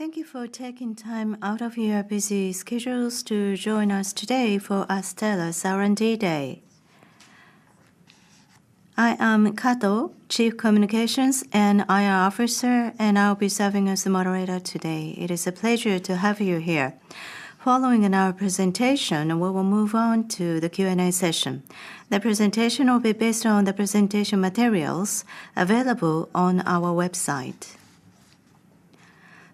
Thank you for taking time out of your busy schedules to join us today for Astellas R&D Day. I am Kato, Chief Communications and IR Officer, and I'll be serving as the moderator today. It is a pleasure to have you here. Following our presentation, we will move on to the Q&A session. The presentation will be based on the presentation materials available on our website.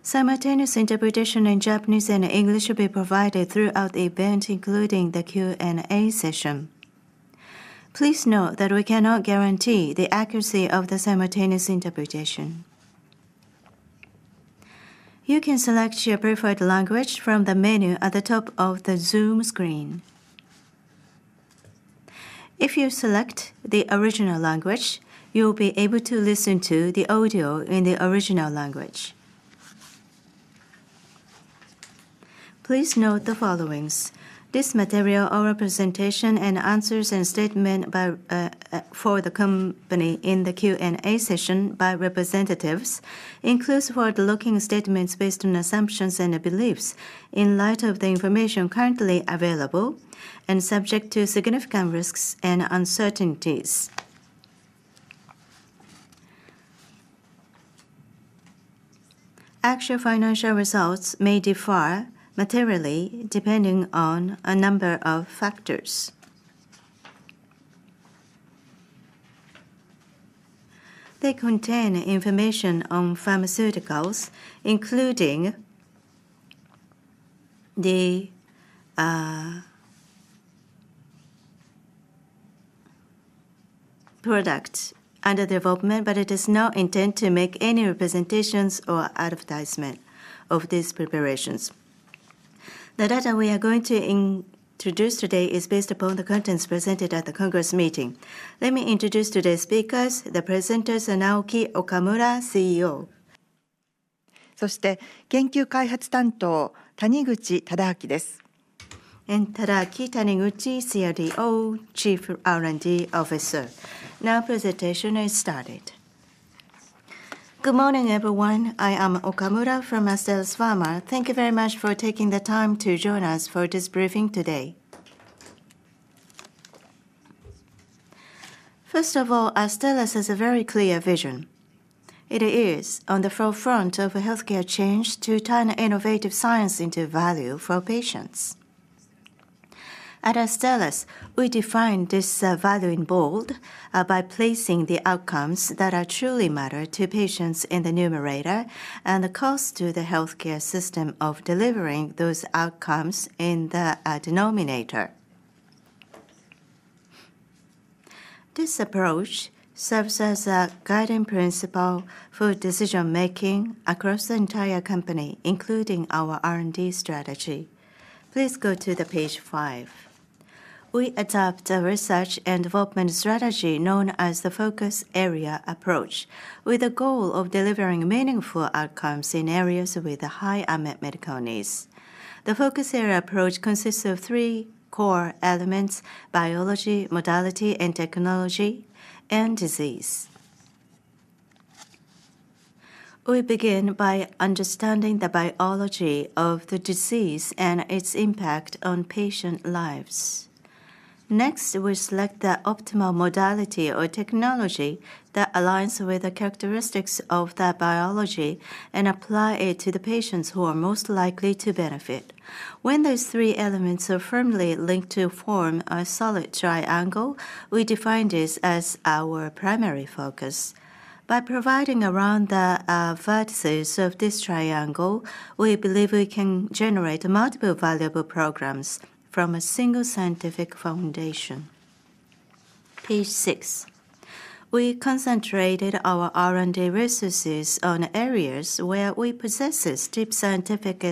Simultaneous interpretation in Japanese and English will be provided throughout the event, including the Q&A session. Please note that we cannot guarantee the accuracy of the simultaneous interpretation. You can select your preferred language from the menu at the top of the Zoom screen. If you select the original language, you will be able to listen to the audio in the original language. Please note the following. This material, our representations and answers and statements by representatives of the company in the Q&A session include forward-looking statements based on assumptions and beliefs in light of the information currently available and subject to significant risks and uncertainties. Actual financial results may differ materially depending on a number of factors. They contain information on pharmaceuticals, including the product under development, but it is not intended to make any representations or advertisement of these preparations. The data we are going to introduce today is based upon the contents presented at the Congress meeting. Let me introduce today's speakers. The presenters are Naoki Okamura, CEO. Tadaaki Taniguchi, CRDO, Chief R&D Officer. Now presentation is started. Good morning, everyone. I am Okamura from Astellas Pharma. Thank you very much for taking the time to join us for this briefing today. First of all, Astellas has a very clear vision. It is on the forefront of a healthcare change to turn innovative science into value for patients. At Astellas, we define this value in bold by placing the outcomes that are truly matter to patients in the numerator and the cost to the healthcare system of delivering those outcomes in the denominator. This approach serves as a guiding principle for decision-making across the entire company, including our R&D strategy. Please go to Page five. We adopt a research and development strategy known as the Focus Area Approach, with the goal of delivering meaningful outcomes in areas with high unmet medical needs. The Focus Area Approach consists of three core elements: biology, modality and technology, and disease. We begin by understanding the biology of the disease and its impact on patient lives. Next, we select the optimal modality or technology that aligns with the characteristics of that biology and apply it to the patients who are most likely to benefit. When those three elements are firmly linked to form a solid triangle, we define this as our primary focus. By providing around the vertices of this triangle, we believe we can generate multiple valuable programs from a single scientific foundation. Page six. We concentrated our R&D resources on areas where we possess deep scientific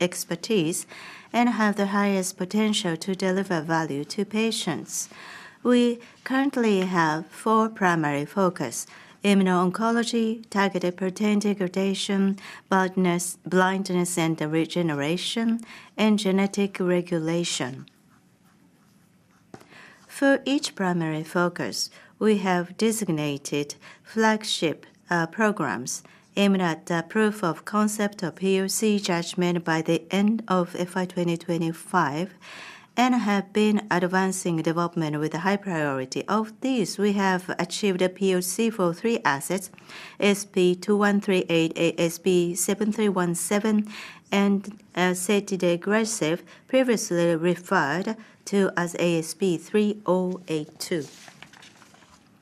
expertise and have the highest potential to deliver value to patients. We currently have four primary focus: immuno-oncology, targeted protein degradation, blindness and regeneration, and genetic regulation. For each primary focus, we have designated flagship programs aiming at the proof of concept of POC judgment by the end of FY 2025 and have been advancing development with a high priority. Of these, we have achieved a POC for three assets: ASP 2138, ASP 7317, and zitidagresib, previously referred to as ASP 3082.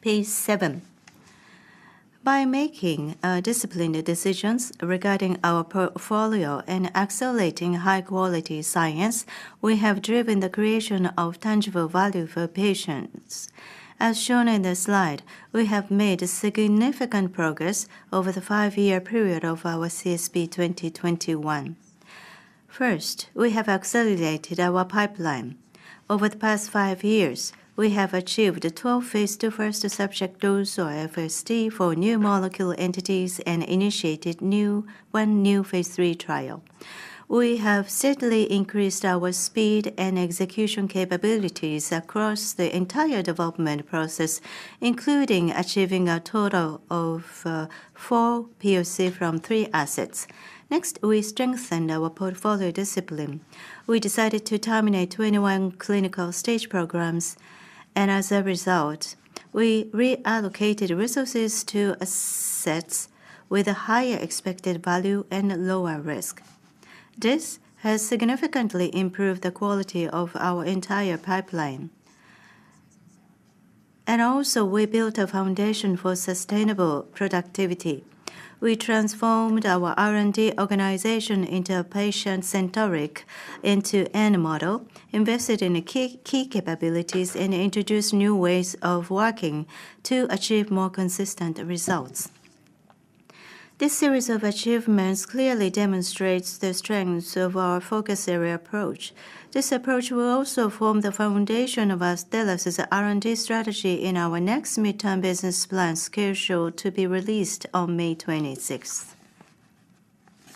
Page seven. By making disciplined decisions regarding our portfolio and accelerating high-quality science, we have driven the creation of tangible value for patients. As shown in the slide, we have made significant progress over the five-year period of our CSP 2021. First, we have accelerated our pipeline. Over the past five years, we have achieved 12 phase II first subject dose or FSD for new molecular entities and initiated one new phase III trial. We have certainly increased our speed and execution capabilities across the entire development process, including achieving a total of four POC from three assets. Next, we strengthened our portfolio discipline. We decided to terminate 21 clinical stage programs, and as a result, we reallocated resources to assets with a higher expected value and lower risk. This has significantly improved the quality of our entire pipeline. We built a foundation for sustainable productivity. We transformed our R&D organization into a patient-centric end-to-end model, invested in key capabilities, and introduced new ways of working to achieve more consistent results. This series of achievements clearly demonstrates the strengths of our Focus Area Approach. This approach will also form the foundation of Astellas' R&D strategy in our next midterm business plan, scheduled to be released on 26 May.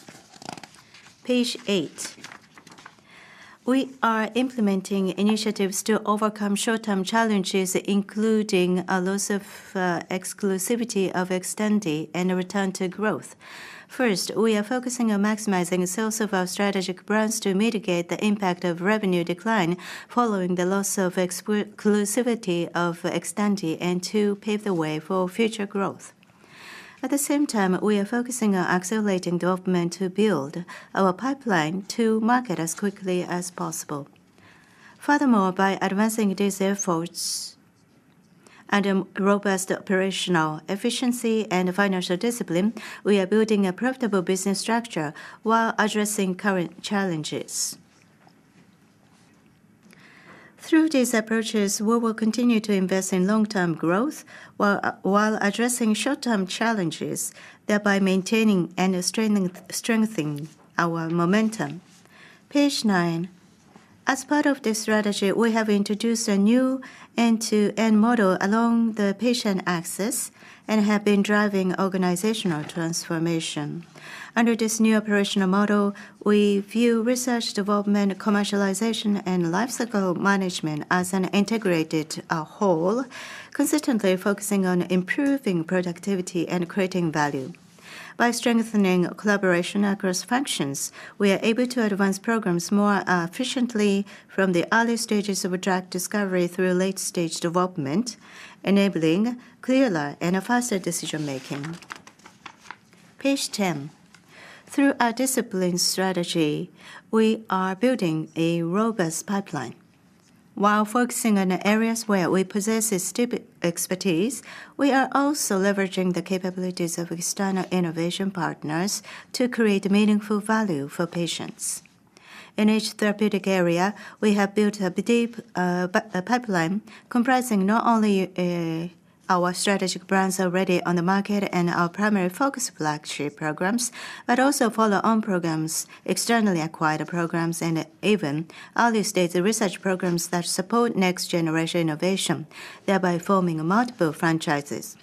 Page eight. We are implementing initiatives to overcome short-term challenges, including a loss of exclusivity of XTANDI and a return to growth. First, we are focusing on maximizing the sales of our strategic brands to mitigate the impact of revenue decline following the loss of exclusivity of XTANDI and to pave the way for future growth. At the same time, we are focusing on accelerating development to build our pipeline to market as quickly as possible. Furthermore, by advancing these efforts and a robust operational efficiency and financial discipline, we are building a profitable business structure while addressing current challenges. Through these approaches, we will continue to invest in long-term growth while addressing short-term challenges, thereby maintaining and strengthening our momentum. Page nine. As part of this strategy, we have introduced a new end-to-end model along the patient axis and have been driving organizational transformation. Under this new operational model, we view research, development, commercialization, and lifecycle management as an integrated whole, consistently focusing on improving productivity and creating value. By strengthening collaboration across functions, we are able to advance programs more efficiently from the early stages of drug discovery through late-stage development, enabling clearer and faster decision-making. Page 10. Through our disciplined strategy, we are building a robust pipeline. While focusing on the areas where we possess deep expertise, we are also leveraging the capabilities of external innovation partners to create meaningful value for patients. In each therapeutic area, we have built a deep pipeline, comprising not only our strategic brands already on the market and our primary focus flagship programs, but also follow-on programs, externally acquired programs, and even early-stage research programs that support next-generation innovation, thereby forming multiple franchises.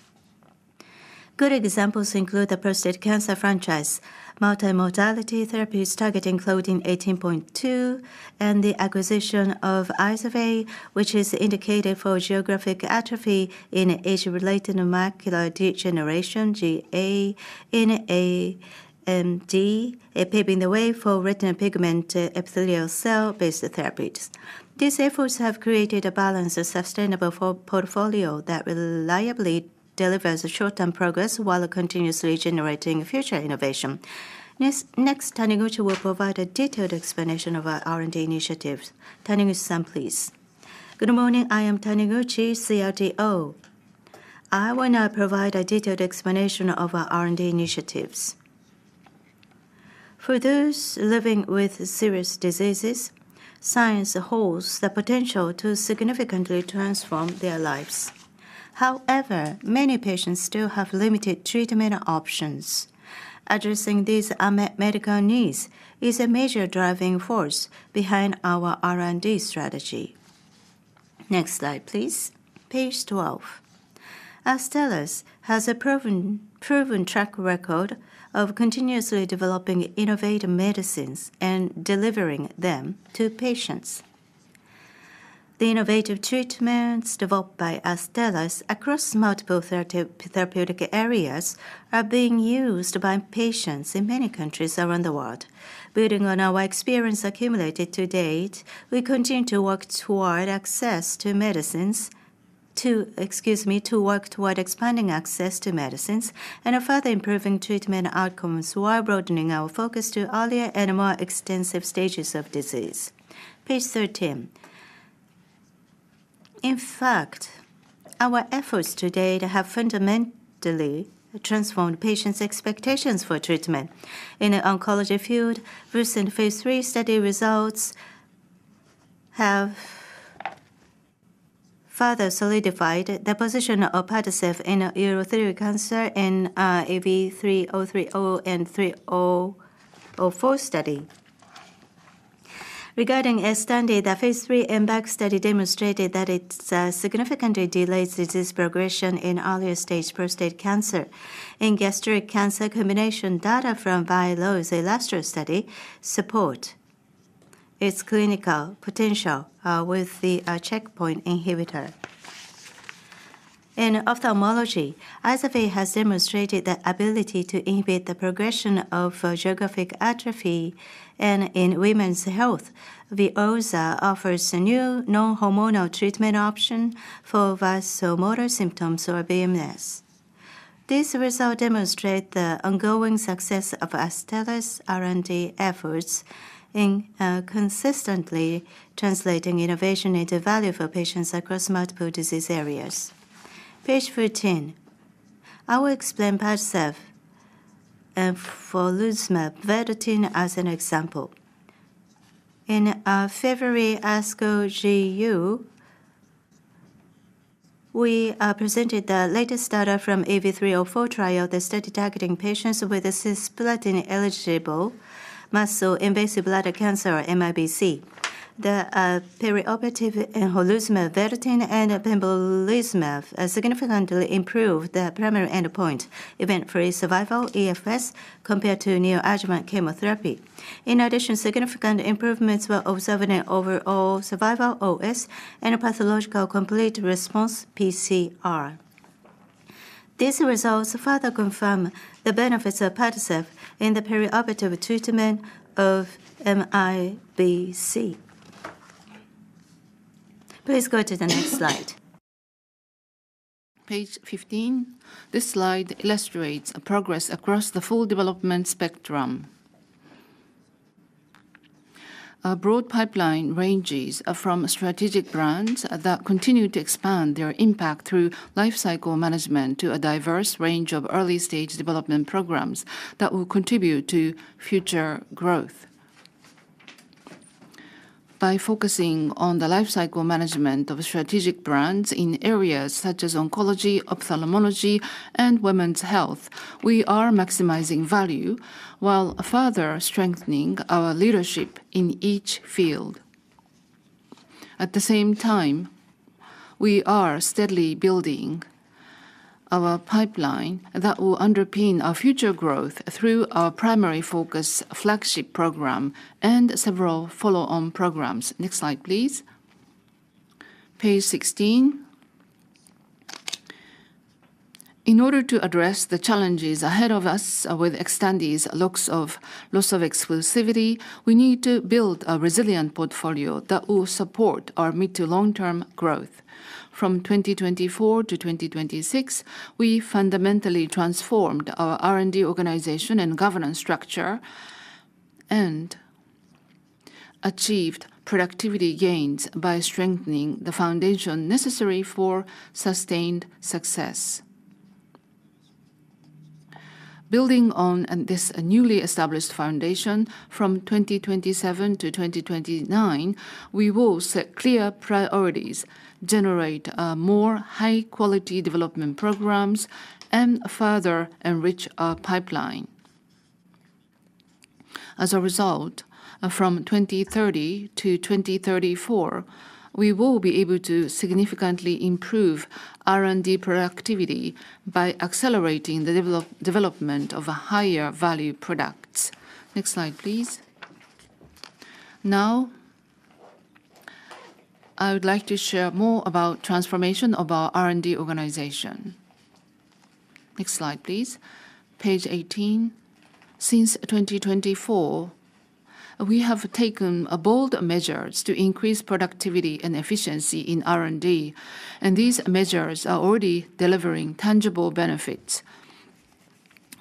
Good examples include the prostate cancer franchise, multi-modality therapies targeting Claudin 18.2, and the acquisition of IZERVAY, which is indicated for geographic atrophy in age-related macular degeneration, GA, in AMD, paving the way for retinal pigment epithelial cell-based therapies. These efforts have created a balanced and sustainable portfolio that reliably delivers short-term progress while continuously generating future innovation. Next, Taniguchi will provide a detailed explanation of our R&D initiatives. Taniguchi-san, please. Good morning. I am Taniguchi, CRDO. I will now provide a detailed explanation of our R&D initiatives. For those living with serious diseases, science holds the potential to significantly transform their lives. However, many patients still have limited treatment options. Addressing these medical needs is a major driving force behind our R&D strategy. Next slide, please. Page 12. Astellas has a proven track record of continuously developing innovative medicines and delivering them to patients. The innovative treatments developed by Astellas across multiple therapeutic areas are being used by patients in many countries around the world. Building on our experience accumulated to date, we continue to work toward expanding access to medicines and further improving treatment outcomes while broadening our focus to earlier and more extensive stages of disease. Page 13. In fact, our efforts to date have fundamentally transformed patients' expectations for treatment. In the oncology field, recent phase III study results have further solidified the position of PADCEV in urothelial cancer in EV-303 and EV-304 study. Regarding XTANDI, the phase III EMBARK study demonstrated that it significantly delays disease progression in early stage prostate cancer. In gastric cancer combination data from ILLUSTRO study support its clinical potential with the checkpoint inhibitor. In ophthalmology, IZERVAY has demonstrated the ability to inhibit the progression of geographic atrophy, and in women's health, VEOZAH offers a new non-hormonal treatment option for vasomotor symptoms or VMS. This result demonstrate the ongoing success of Astellas R&D efforts in consistently translating innovation into value for patients across multiple disease areas. Page 14. I will explain PADCEV and enfortumab vedotin as an example. In February ASCO GU, we presented the latest data from EV-304 trial, the study targeting patients with cisplatin-eligible muscle-invasive bladder cancer or MIBC. The perioperative enfortumab vedotin and pembrolizumab significantly improved the primary endpoint event-free survival, EFS, compared to neoadjuvant chemotherapy. In addition, significant improvements were observed in overall survival, OS, and pathological complete response, pCR. These results further confirm the benefits of PADCEV in the perioperative treatment of MIBC. Please go to the next slide. Page 15. This slide illustrates progress across the full development spectrum. Our broad pipeline ranges from strategic brands that continue to expand their impact through life cycle management to a diverse range of early stage development programs that will contribute to future growth. By focusing on the life cycle management of strategic brands in areas such as oncology, ophthalmology, and women's health, we are maximizing value while further strengthening our leadership in each field. At the same time, we are steadily building our pipeline that will underpin our future growth through our primary focus flagship program and several follow-on programs. Next slide, please. Page 16. In order to address the challenges ahead of us with XTANDI's loss of exclusivity, we need to build a resilient portfolio that will support our mid- to long-term growth. From 2024 to 2026, we fundamentally transformed our R&D organization and governance structure, and achieved productivity gains by strengthening the foundation necessary for sustained success. Building on this newly established foundation from 2027 to 2029, we will set clear priorities, generate more high quality development programs, and further enrich our pipeline. As a result, from 2030 to 2034, we will be able to significantly improve R&D productivity by accelerating the development of higher value products. Next slide, please. Now, I would like to share more about transformation of our R&D organization. Next slide, please. Page 18. Since 2024, we have taken bold measures to increase productivity and efficiency in R&D, and these measures are already delivering tangible benefits.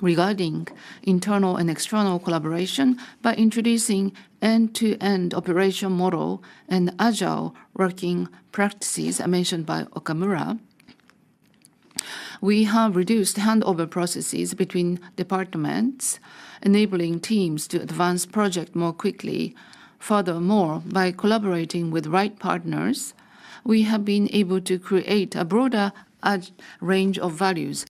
Regarding internal and external collaboration, by introducing end-to-end operation model and agile working practices mentioned by Okamura, we have reduced handover processes between departments, enabling teams to advance project more quickly. Furthermore, by collaborating with right partners, we have been able to create a broader range of values.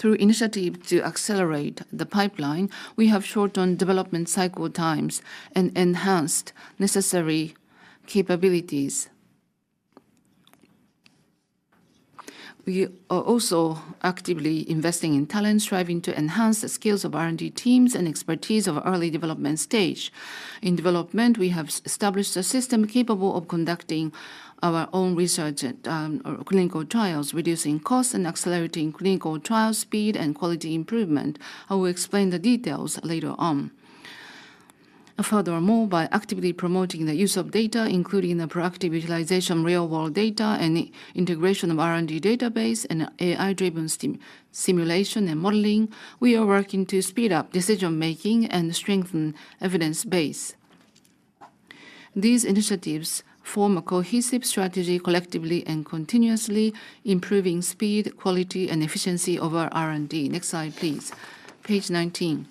Through initiative to accelerate the pipeline, we have shortened development cycle times and enhanced necessary capabilities. We are also actively investing in talent, striving to enhance the skills of R&D teams and expertise of early development stage. In development, we have established a system capable of conducting our own research and or clinical trials, reducing costs, and accelerating clinical trial speed and quality improvement. I will explain the details later on. Furthermore, by actively promoting the use of data, including the proactive utilization of real world data and integration of R&D database and AI-driven simulation and modeling, we are working to speed up decision-making and strengthen evidence base. These initiatives form a cohesive strategy collectively and continuously improving speed, quality and efficiency of our R&D. Next slide, please. Page 19.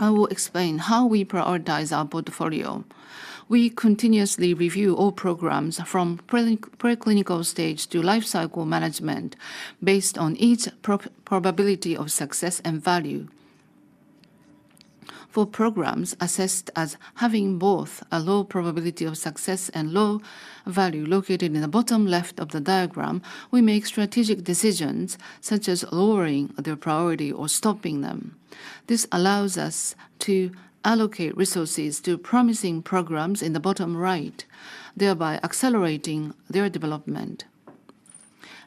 I will explain how we prioritize our portfolio. We continuously review all programs from preclinical stage to life cycle management based on each probability of success and value. For programs assessed as having both a low probability of success and low value located in the bottom left of the diagram, we make strategic decisions such as lowering their priority or stopping them. This allows us to allocate resources to promising programs in the bottom right, thereby accelerating their development.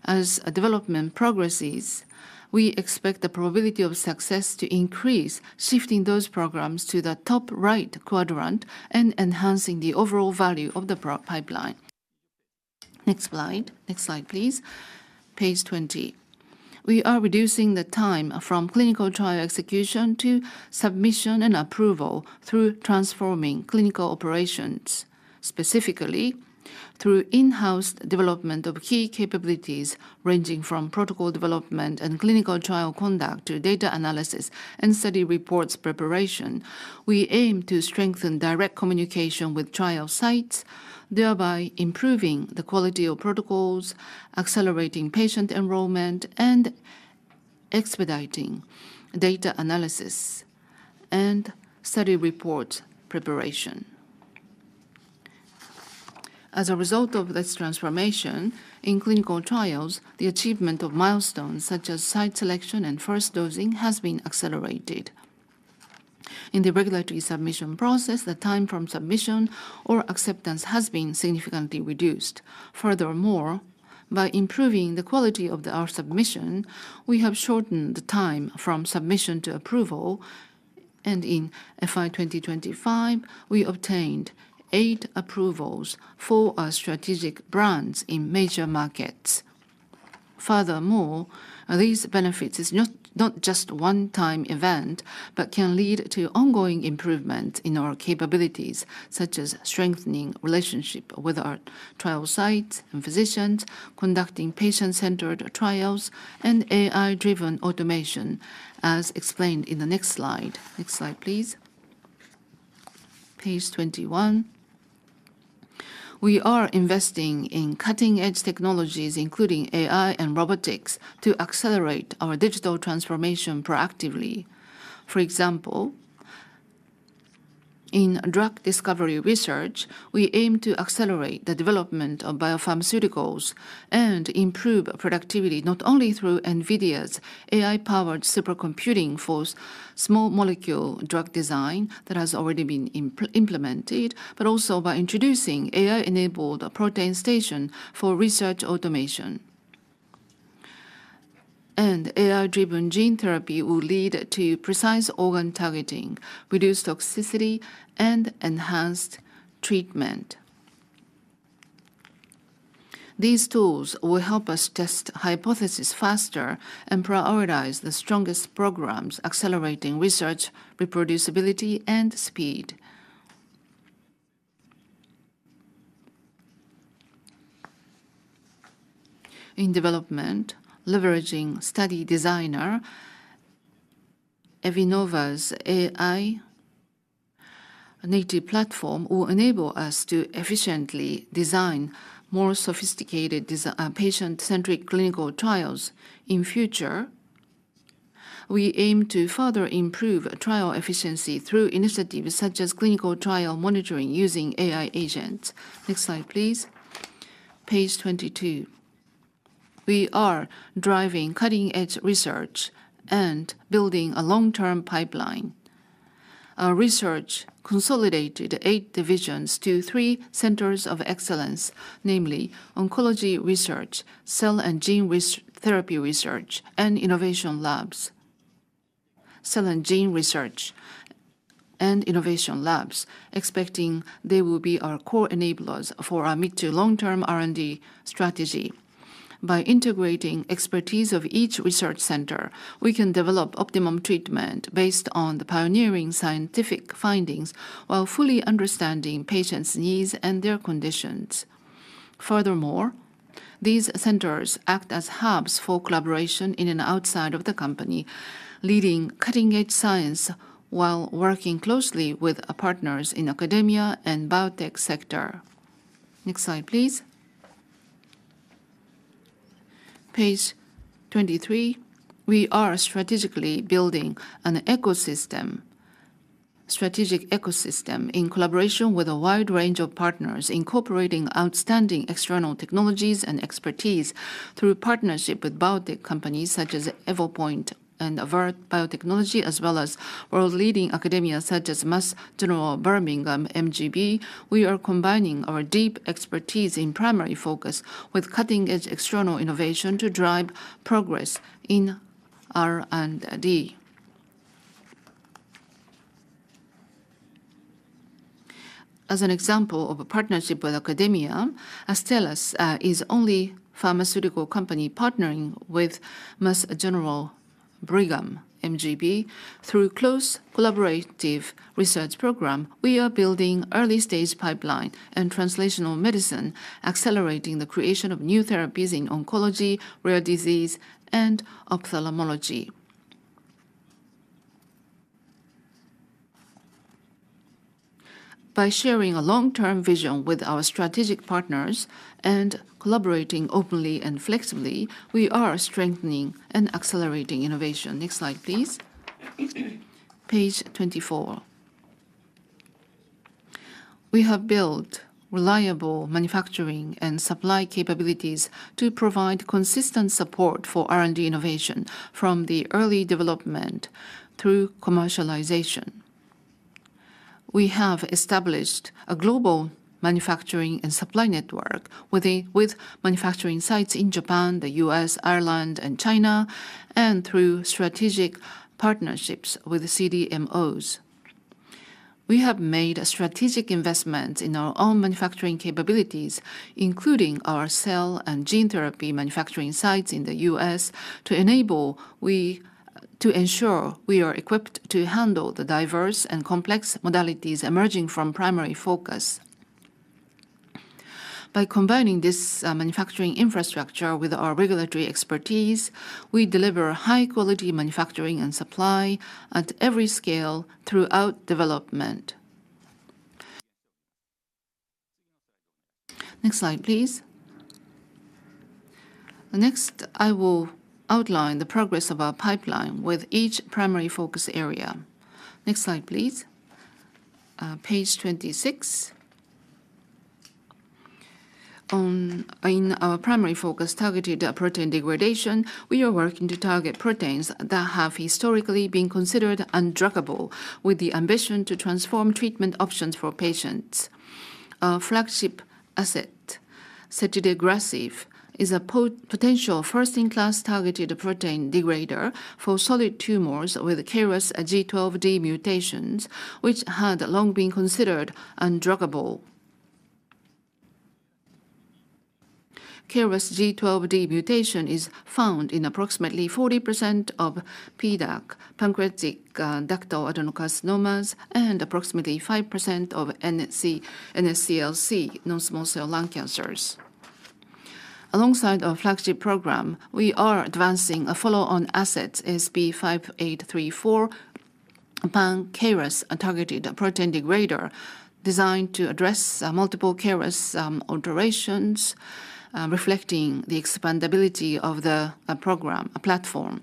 As development progresses, we expect the probability of success to increase, shifting those programs to the top right quadrant and enhancing the overall value of the pipeline. Next slide. Next slide, please. Page 20. We are reducing the time from clinical trial execution to submission and approval through transforming clinical operations. Specifically, through in-house development of key capabilities ranging from protocol development and clinical trial conduct to data analysis and study reports preparation, we aim to strengthen direct communication with trial sites, thereby improving the quality of protocols, accelerating patient enrollment, and expediting data analysis and study report preparation. As a result of this transformation, in clinical trials, the achievement of milestones such as site selection and first dosing has been accelerated. In the regulatory submission process, the time from submission or acceptance has been significantly reduced. Furthermore, by improving the quality of our submission, we have shortened the time from submission to approval, and in FY 2025, we obtained eight approvals for our strategic brands in major markets. Furthermore, these benefits is not just one time event, but can lead to ongoing improvement in our capabilities, such as strengthening relationship with our trial sites and physicians, conducting patient-centered trials, and AI-driven automation, as explained in the next slide. Next slide, please. Page 21. We are investing in cutting-edge technologies, including AI and robotics, to accelerate our digital transformation proactively. For example, in drug discovery research, we aim to accelerate the development of biopharmaceuticals and improve productivity, not only through NVIDIA's AI-powered supercomputing for small molecule drug design that has already been implemented, but also by introducing AI-enabled Protein Station for research automation. AI-driven gene therapy will lead to precise organ targeting, reduced toxicity, and enhanced treatment. These tools will help us test hypotheses faster and prioritize the strongest programs, accelerating research, reproducibility, and speed. In development, leveraging Study Designer, Evinova's AI native platform will enable us to efficiently design more sophisticated patient-centric clinical trials in future. We aim to further improve trial efficiency through initiatives such as clinical trial monitoring using AI agents. Next slide, please. Page 22. We are driving cutting-edge research and building a long-term pipeline. Our research consolidated eight divisions to three centers of excellence, namely oncology research, cell and gene therapy research, and innovation labs. Cell and gene research and innovation labs, expecting they will be our core enablers for our mid-to-long term R&D strategy. By integrating expertise of each research center, we can develop optimum treatment based on the pioneering scientific findings while fully understanding patients' needs and their conditions. Furthermore, these centers act as hubs for collaboration in and outside of the company, leading cutting-edge science while working closely with partners in academia and biotech sector. Next slide, please. Page 23. We are strategically building an ecosystem, strategic ecosystem in collaboration with a wide range of partners, incorporating outstanding external technologies and expertise through partnership with biotech companies such as Evopoint and Avert Biotechnology, as well as world-leading academia such as Mass General Brigham, MGB. We are combining our deep expertise in primary focus with cutting-edge external innovation to drive progress in R&D. As an example of a partnership with academia, Astellas is the only pharmaceutical company partnering with Mass General Brigham, MGB. Through close collaborative research program, we are building early-stage pipeline and translational medicine, accelerating the creation of new therapies in oncology, rare disease, and ophthalmology. By sharing a long-term vision with our strategic partners and collaborating openly and flexibly, we are strengthening and accelerating innovation. Next slide, please. Page 24. We have built reliable manufacturing and supply capabilities to provide consistent support for R&D innovation from the early development through commercialization. We have established a global manufacturing and supply network with manufacturing sites in Japan, the U.S., Ireland, and China, and through strategic partnerships with CDMOs. We have made a strategic investment in our own manufacturing capabilities, including our cell and gene therapy manufacturing sites in the U.S., to ensure we are equipped to handle the diverse and complex modalities emerging from primary focus. By combining this manufacturing infrastructure with our regulatory expertise, we deliver high-quality manufacturing and supply at every scale throughout development. Next slide, please. Next, I will outline the progress of our pipeline with each primary focus area. Next slide, please. Page 26. In our primary focus targeted at protein degradation, we are working to target proteins that have historically been considered undruggable with the ambition to transform treatment options for patients. Our flagship asset, zitidagresib, is a potential first-in-class targeted protein degrader for solid tumors with KRAS G12D mutations, which had long been considered undruggable. KRAS G12D mutation is found in approximately 40% of PDAC, pancreatic ductal adenocarcinomas, and approximately 5% of NSCLC, non-small cell lung cancers. Alongside our flagship program, we are advancing a follow-on asset, ASP5834, pan-KRAS targeted protein degrader designed to address multiple KRAS alterations, reflecting the expandability of the program platform.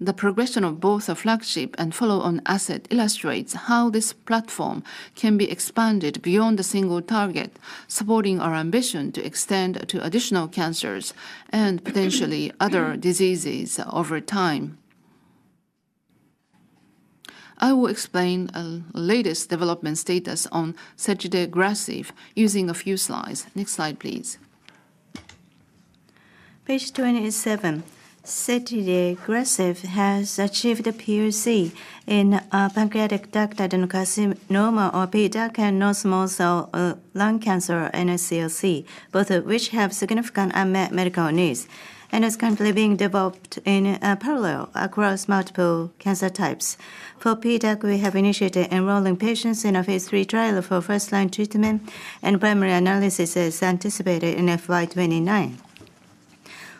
The progression of both the flagship and follow-on asset illustrates how this platform can be expanded beyond a single target, supporting our ambition to extend to additional cancers and potentially other diseases over time. I will explain latest development status on zitidagresib using a few slides. Next slide, please. Page 27, zitidagresib has achieved POC in pancreatic ductal adenocarcinoma, or PDAC, and non-small cell lung cancer, NSCLC, both of which have significant unmet medical needs, and is currently being developed in parallel across multiple cancer types. For PDAC, we have initiated enrolling patients in a phase III trial for first-line treatment, and primary analysis is anticipated in FY 2029.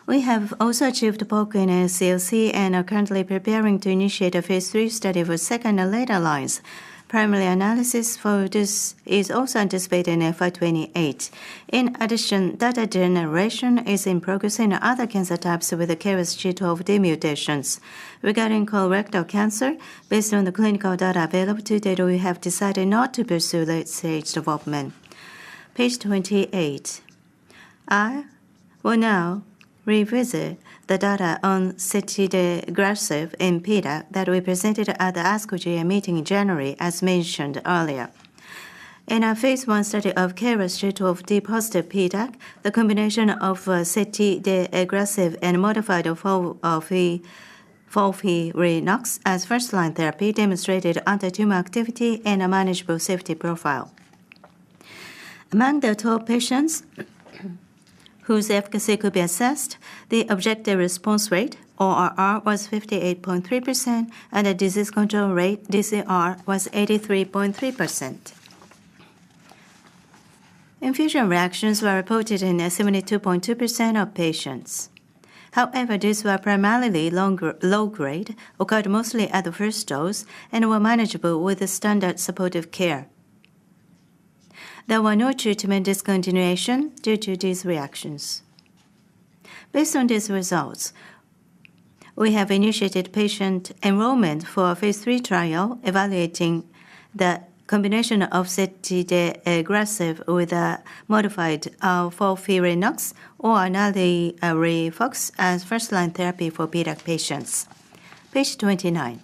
We have also achieved POC in NSCLC and are currently preparing to initiate a phase III study for second and later lines. Primary analysis for this is also anticipated in FY 2028. In addition, data generation is in progress in other cancer types with KRAS G12D mutations. Regarding colorectal cancer, based on the clinical data available to date, we have decided not to pursue late-stage development. Page 28. I will now revisit the data on zitidagresib in PDAC that we presented at the ASCO GU meeting in January, as mentioned earlier. In our phase I study of KRAS G12D-positive PDAC, the combination of zitidagresib and modified FOLFIRINOX as first-line therapy demonstrated anti-tumor activity and a manageable safety profile. Among the 12 patients whose efficacy could be assessed, the objective response rate, ORR, was 58.3%, and the disease control rate, DCR, was 83.3%. Infusion reactions were reported in 72.2% of patients. However, these were primarily low-grade, occurred mostly at the first dose, and were manageable with the standard supportive care. There were no treatment discontinuations due to these reactions. Based on these results, we have initiated patient enrollment for a phase III trial evaluating the combination of zitidagresib with a modified FOLFIRINOX or another NALIRIFOX as first-line therapy for PDAC patients. Page 29.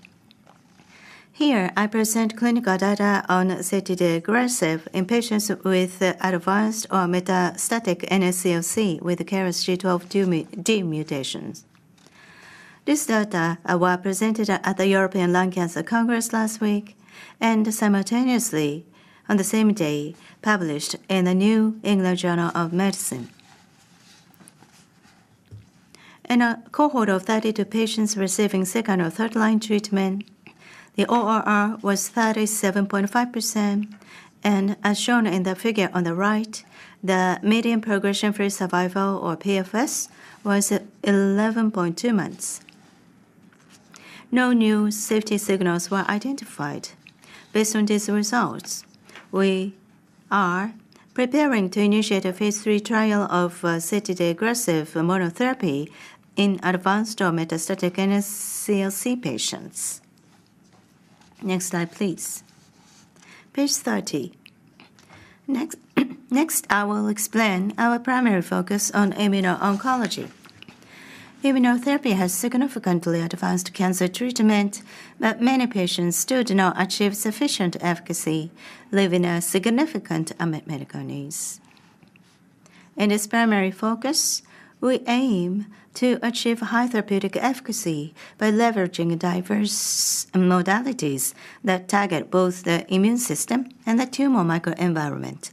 Here, I present clinical data on zitidagresib in patients with advanced or metastatic NSCLC with KRAS G12D mutations. This data were presented at the European Lung Cancer Congress last week and simultaneously, on the same day, published in the New England Journal of Medicine. In a cohort of 32 patients receiving second or third-line treatment, the ORR was 37.5%, and as shown in the figure on the right, the median progression-free survival, or PFS, was 11.2 months. No new safety signals were identified. Based on these results, we are preparing to initiate a phase III trial of zitidagresib monotherapy in advanced or metastatic NSCLC patients. Next slide, please. Page 30. Next, I will explain our primary focus on immuno-oncology. Immunotherapy has significantly advanced cancer treatment, but many patients still do not achieve sufficient efficacy, leaving a significant unmet medical needs. In this primary focus, we aim to achieve high therapeutic efficacy by leveraging diverse modalities that target both the immune system and the tumor microenvironment.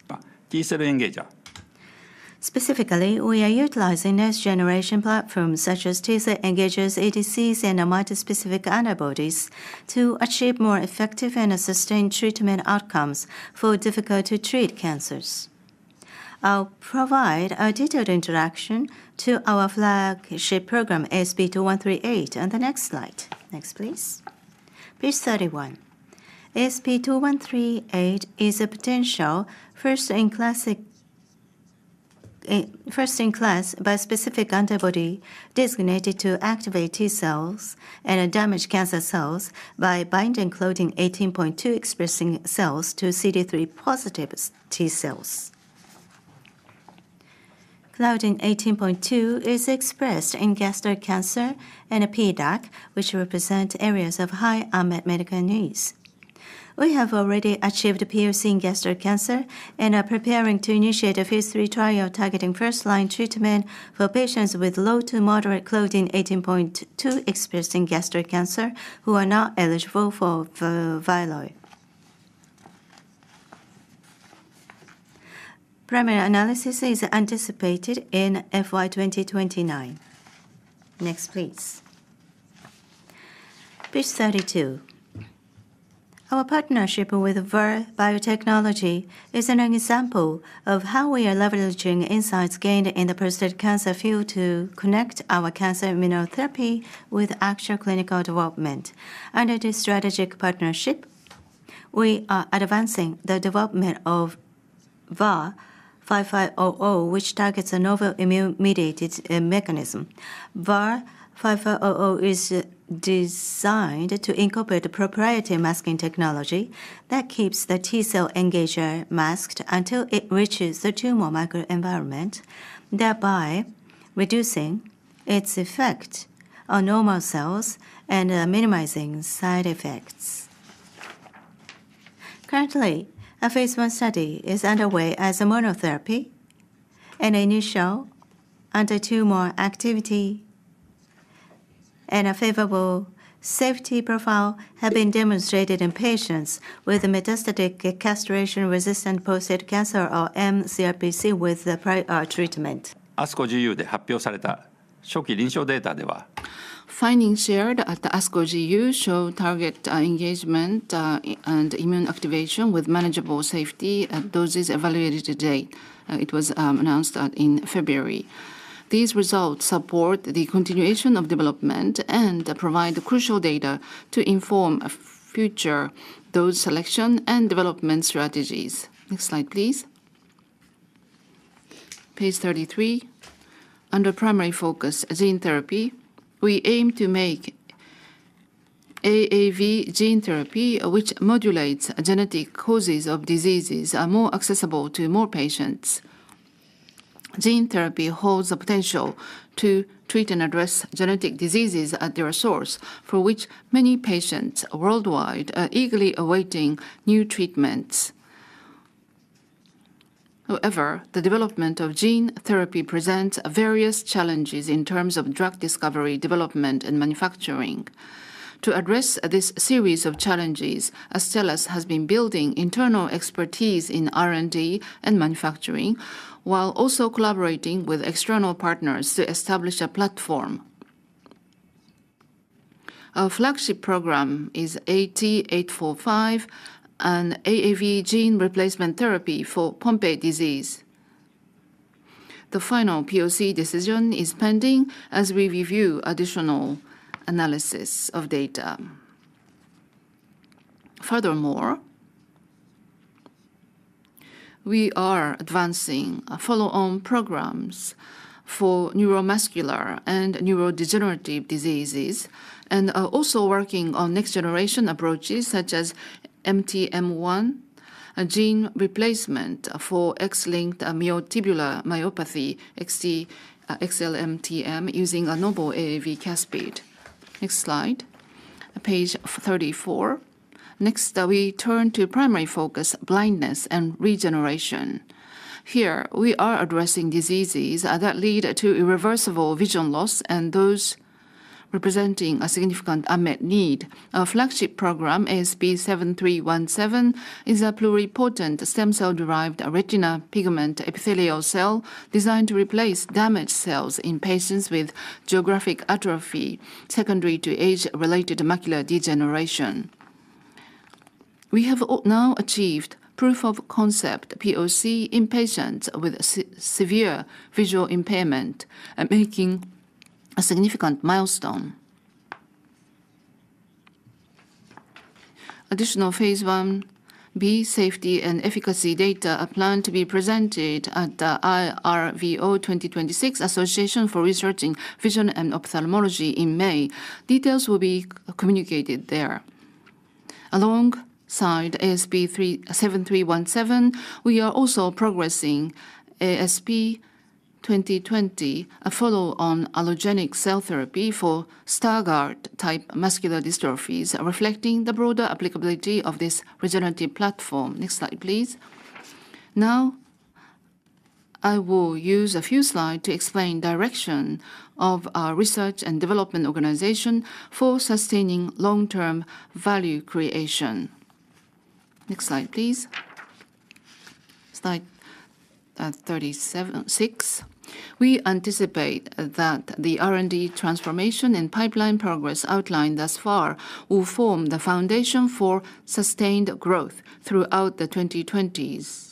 Specifically, we are utilizing next-generation platforms such as T-cell engagers, ADCs, and bispecific antibodies to achieve more effective and sustained treatment outcomes for difficult to treat cancers. I'll provide a detailed introduction to our flagship program, ASP2138, on the next slide. Next, please. Page 31. ASP2138 is a potential first-in-class bispecific antibody designed to activate T-cells and damage cancer cells by binding claudin 18.2-expressing cells to CD3-positive T-cells. Claudin 18.2 is expressed in gastric cancer and PDAC, which represent areas of high unmet medical needs. We have already achieved POC in gastric cancer and are preparing to initiate a phase III trial targeting first-line treatment for patients with low to moderate claudin 18.2 expression in gastric cancer who are not eligible for VYLOY. Primary analysis is anticipated in FY 2029. Next, please. Page 32. Our partnership with Vir Biotechnology is an example of how we are leveraging insights gained in the prostate cancer field to connect our cancer immunotherapy with actual clinical development. Under this strategic partnership, we are advancing the development of VIR-5500, which targets a novel immune-mediated mechanism. VIR-5500 is designed to incorporate a proprietary masking technology that keeps the T-cell engager masked until it reaches the tumor microenvironment, thereby reducing its effect on normal cells and minimizing side effects. Currently, a phase I study is underway as a monotherapy. An initial anti-tumor activity and a favorable safety profile have been demonstrated in patients with metastatic castration-resistant prostate cancer, or mCRPC, with the treatment. Findings shared at the ASCO GU show target engagement and immune activation with manageable safety at doses evaluated to date. It was announced in February. These results support the continuation of development and provide the crucial data to inform a future dose selection and development strategies. Next slide, please. Page 33. Under primary focus gene therapy, we aim to make AAV gene therapy, which modulates genetic causes of diseases, more accessible to more patients. Gene therapy holds the potential to treat and address genetic diseases at their source, for which many patients worldwide are eagerly awaiting new treatments. However, the development of gene therapy presents various challenges in terms of drug discovery, development, and manufacturing. To address this series of challenges, Astellas has been building internal expertise in R&D and manufacturing, while also collaborating with external partners to establish a platform. Our flagship program is AT-845, an AAV gene replacement therapy for Pompe disease. The final POC decision is pending as we review additional analysis of data. Furthermore, we are advancing follow-on programs for neuromuscular and neurodegenerative diseases, and are also working on next generation approaches such as MTM1, a gene replacement for X-linked myotubular myopathy, XLMTM, using a novel AAV capsid. Next slide. Page 34. Next, we turn to primary focus blindness and regeneration. Here, we are addressing diseases that lead to irreversible vision loss and those representing a significant unmet need. Our flagship program, ASP7317, is a pluripotent stem cell-derived retinal pigment epithelial cell designed to replace damaged cells in patients with geographic atrophy secondary to age-related macular degeneration. We have now achieved proof of concept, POC, in patients with severe visual impairment, making a significant milestone. Additional phase I-B safety and efficacy data are planned to be presented at the ARVO 2026 Association for Research in Vision and Ophthalmology in May. Details will be communicated there. Alongside ASP7317, we are also progressing ASP2020, a follow-on allogeneic cell therapy for Stargardt macular dystrophy, reflecting the broader applicability of this regenerative platform. Next slide, please. Now, I will use a few slides to explain direction of our research and development organization for sustaining long-term value creation. Next slide, please. Slide 36. We anticipate that the R&D transformation and pipeline progress outlined thus far will form the foundation for sustained growth throughout the 2020s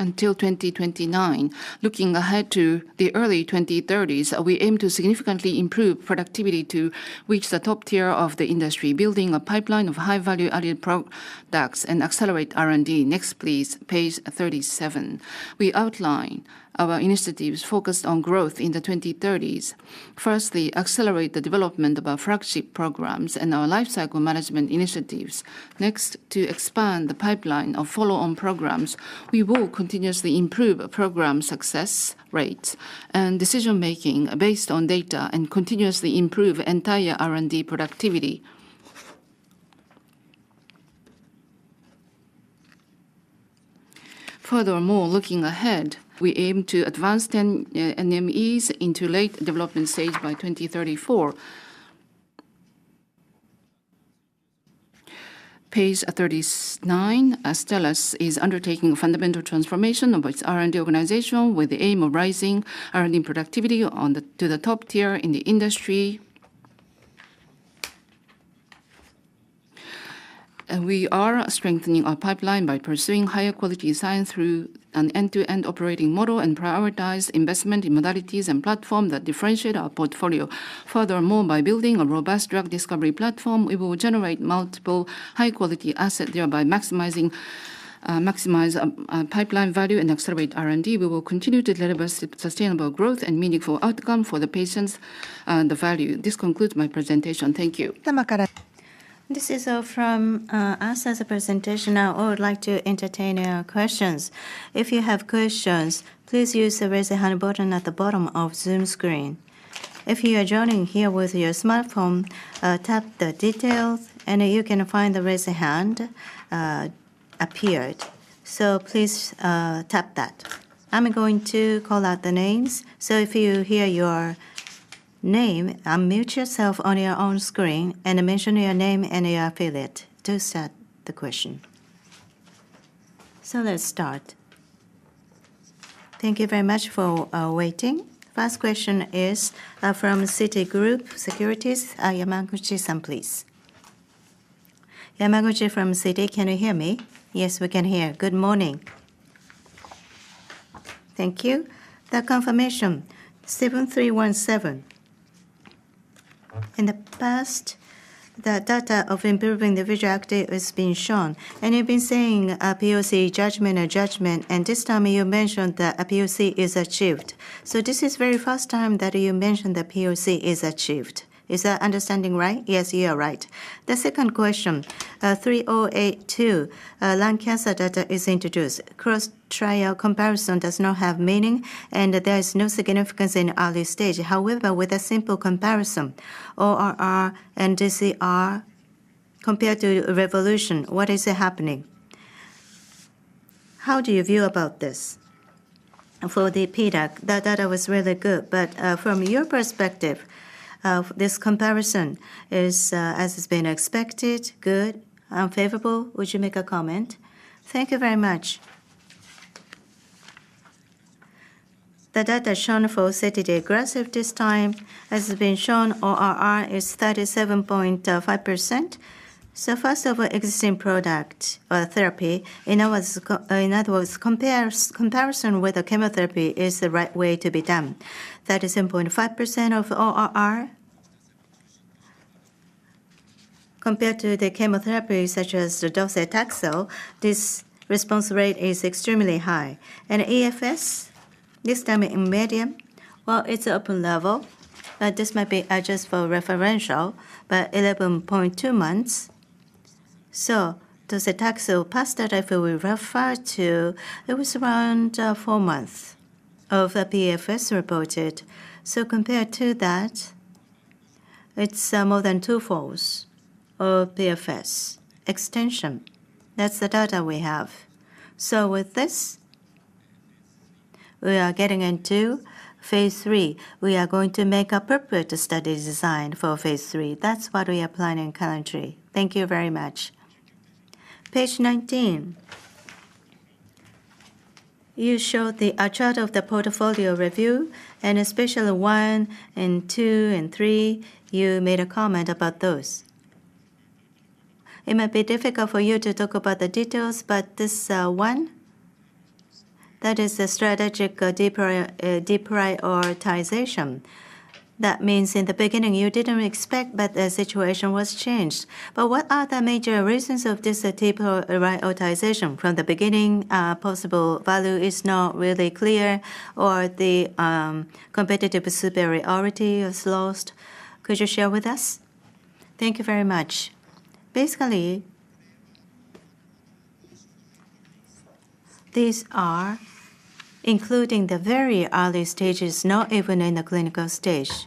until 2029. Looking ahead to the early 2030s, we aim to significantly improve productivity to reach the top tier of the industry, building a pipeline of high value-added products and accelerate R&D. Next, please. Page 37. We outline our initiatives focused on growth in the 2030s. Firstly, accelerate the development of our flagship programs and our lifecycle management initiatives. Next, to expand the pipeline of follow-on programs, we will continuously improve program success rates and decision-making based on data and continuously improve entire R&D productivity. Furthermore, looking ahead, we aim to advance 10 NMEs into late development stage by 2034. Page 39. Astellas is undertaking a fundamental transformation of its R&D organization with the aim of raising R&D productivity to the top tier in the industry. We are strengthening our pipeline by pursuing higher quality science through an end-to-end operating model and prioritize investment in modalities and platform that differentiate our portfolio. Furthermore, by building a robust drug discovery platform, we will generate multiple high quality asset, thereby maximizing pipeline value and accelerate R&D. We will continue to deliver sustainable growth and meaningful outcome for the patients and the value. This concludes my presentation. Thank you. This is from us as a presentation. Now I would like to entertain questions. If you have questions, please use the Raise a Hand button at the bottom of the Zoom screen. If you are joining here with your smartphone, tap the Details, and you can find the Raise a Hand appeared. Please tap that. I'm going to call out the names, so if you hear your name, unmute yourself on your own screen and mention your name and your affiliate to start the question. Let's start. Thank you very much for waiting. First question is from Citigroup Securities, Yamaguchi-san, please. Yamaguchi from Citi, can you hear me? Yes, we can hear. Good morning. Thank you. The confirmation 7317. In the past, the data of improving the visual acuity has been shown, and you've been saying a POC judgment, and this time you mentioned that a POC is achieved. This is very first time that you mentioned the POC is achieved. Is that understanding right? Yes, you are right. The second question. 3082. Lung cancer data is introduced. Cross-trial comparison does not have meaning, and there is no significance in early stage. However, with a simple comparison, ORR and DCR compared to Revolution, what is happening? How do you view about this? For the PDAC, the data was really good, but from your perspective, this comparison is, as has been expected, good, unfavorable. Would you make a comment? Thank you very much. The data shown for CTD aggressive this time has been shown ORR is 37.5%. First of existing product therapy, in other words, comparison with the chemotherapy is the right way to be done. 37.5% of ORR compared to the chemotherapy, such as docetaxel, this response rate is extremely high. EFS, this time in median, it's open label. This might be just for reference, but 11.2 months. Docetaxel past data we refer to, it was around four months of the PFS reported. Compared to that, it's more than two-folds of PFS extension. That's the data we have. With this, we are getting into phase III. We are going to make appropriate study design for phase III. That's what we are planning currently. Thank you very much. Page 19. You showed a chart of the portfolio review, and especially one and two and three, you made a comment about those. It might be difficult for you to talk about the details, but this one, that is a strategic deprioritization. That means in the beginning you didn't expect that the situation was changed. What are the major reasons of this deprioritization from the beginning? Possible value is not really clear or the competitive superiority is lost. Could you share with us? Thank you very much. Basically, these are including the very early stages, not even in the clinical stage.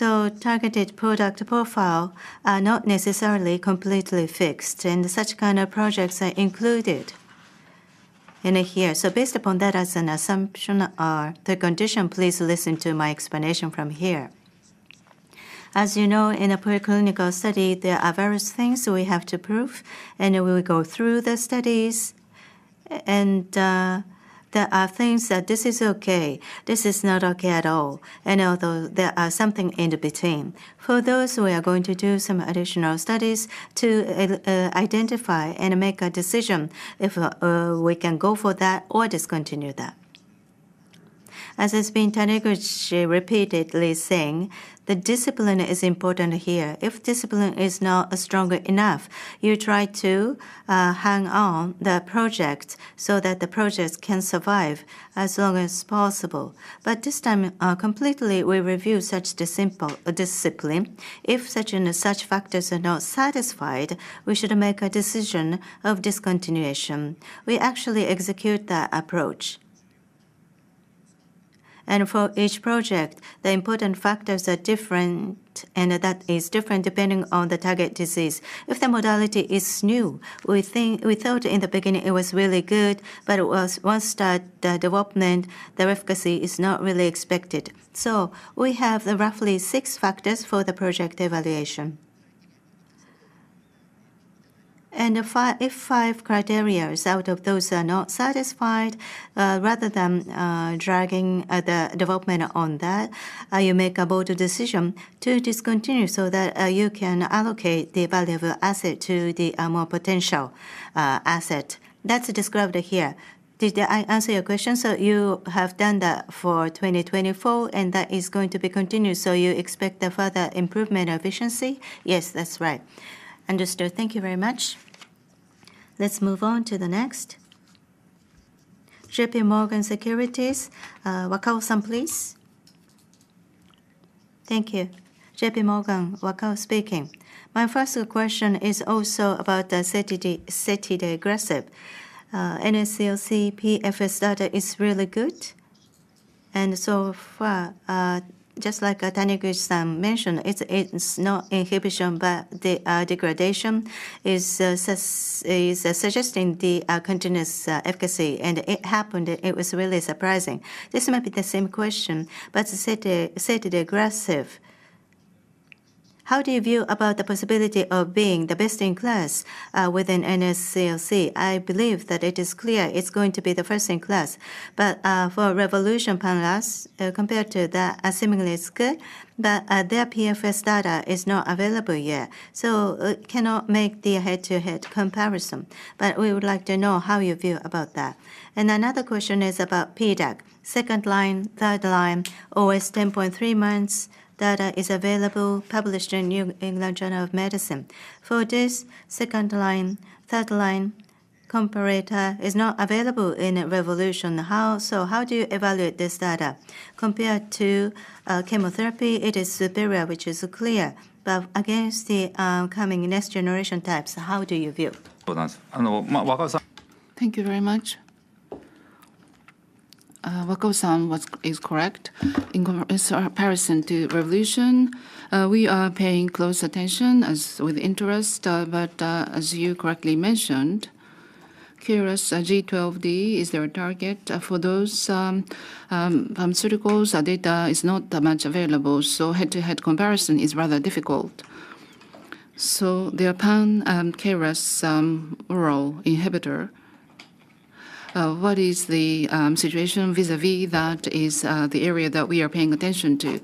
Target Product Profile are not necessarily completely fixed, and such kind of projects are included in here. Based upon that as an assumption or the condition, please listen to my explanation from here. As you know, in a preclinical study, there are various things we have to prove, and we will go through the studies and there are things that this is okay, this is not okay at all, and although there are something in between. For those, we are going to do some additional studies to identify and make a decision if we can go for that or discontinue that. As has been Taniguchi repeatedly saying, the discipline is important here. If discipline is not strong enough, you try to hang on the project so that the project can survive as long as possible. This time, completely we review such discipline. If such and such factors are not satisfied, we should make a decision of discontinuation. We actually execute that approach. For each project, the important factors are different, and that is different depending on the target disease. If the modality is new, we thought in the beginning it was really good, but once the development, the efficacy is not really expected. We have roughly six factors for the project evaluation. If five criteria out of those are not satisfied, rather than dragging the development on that, you make a bold decision to discontinue so that you can allocate the valuable asset to the more potential asset. That's described here. Did I answer your question? You have done that for 2024 and that is going to be continued, so you expect a further improvement efficiency? Yes, that's right. Understood. Thank you very much. Let's move on to the next. JPMorgan Securities, Wakao-san, please. Thank you. JPMorgan, Wakao speaking. My first question is also about the zitidagresib. NSCLC PFS data is really good. So far, just like Taniguchi-san mentioned, it's not inhibition, but the degradation is suggesting the continuous efficacy. It happened, it was really surprising. This might be the same question, zitidagresib. How do you view about the possibility of being the best in class within NSCLC? I believe that it is clear it's going to be the first in class. For Revolution Medicines pan-KRAS, compared to that, assumingly it's good, but their PFS data is not available yet. Cannot make the head-to-head comparison. We would like to know how you view about that. Another question is about PDAC. Second line, third line, OS 10.3 months data is available, published in New England Journal of Medicine. For this second line, third line comparator is not available in Revolution. How so? How do you evaluate this data? Compared to chemotherapy, it is superior, which is clear. But against the coming next generation types, how do you view it? Thank you very much. Wakao-san is correct. In comparison to Revolution, we are paying close attention with interest. As you correctly mentioned, KRAS G12D is their target. For those pharmaceuticals, our data is not that much available, so head-to-head comparison is rather difficult. The pan-KRAS oral inhibitor, what is the situation vis-à-vis that is the area that we are paying attention to.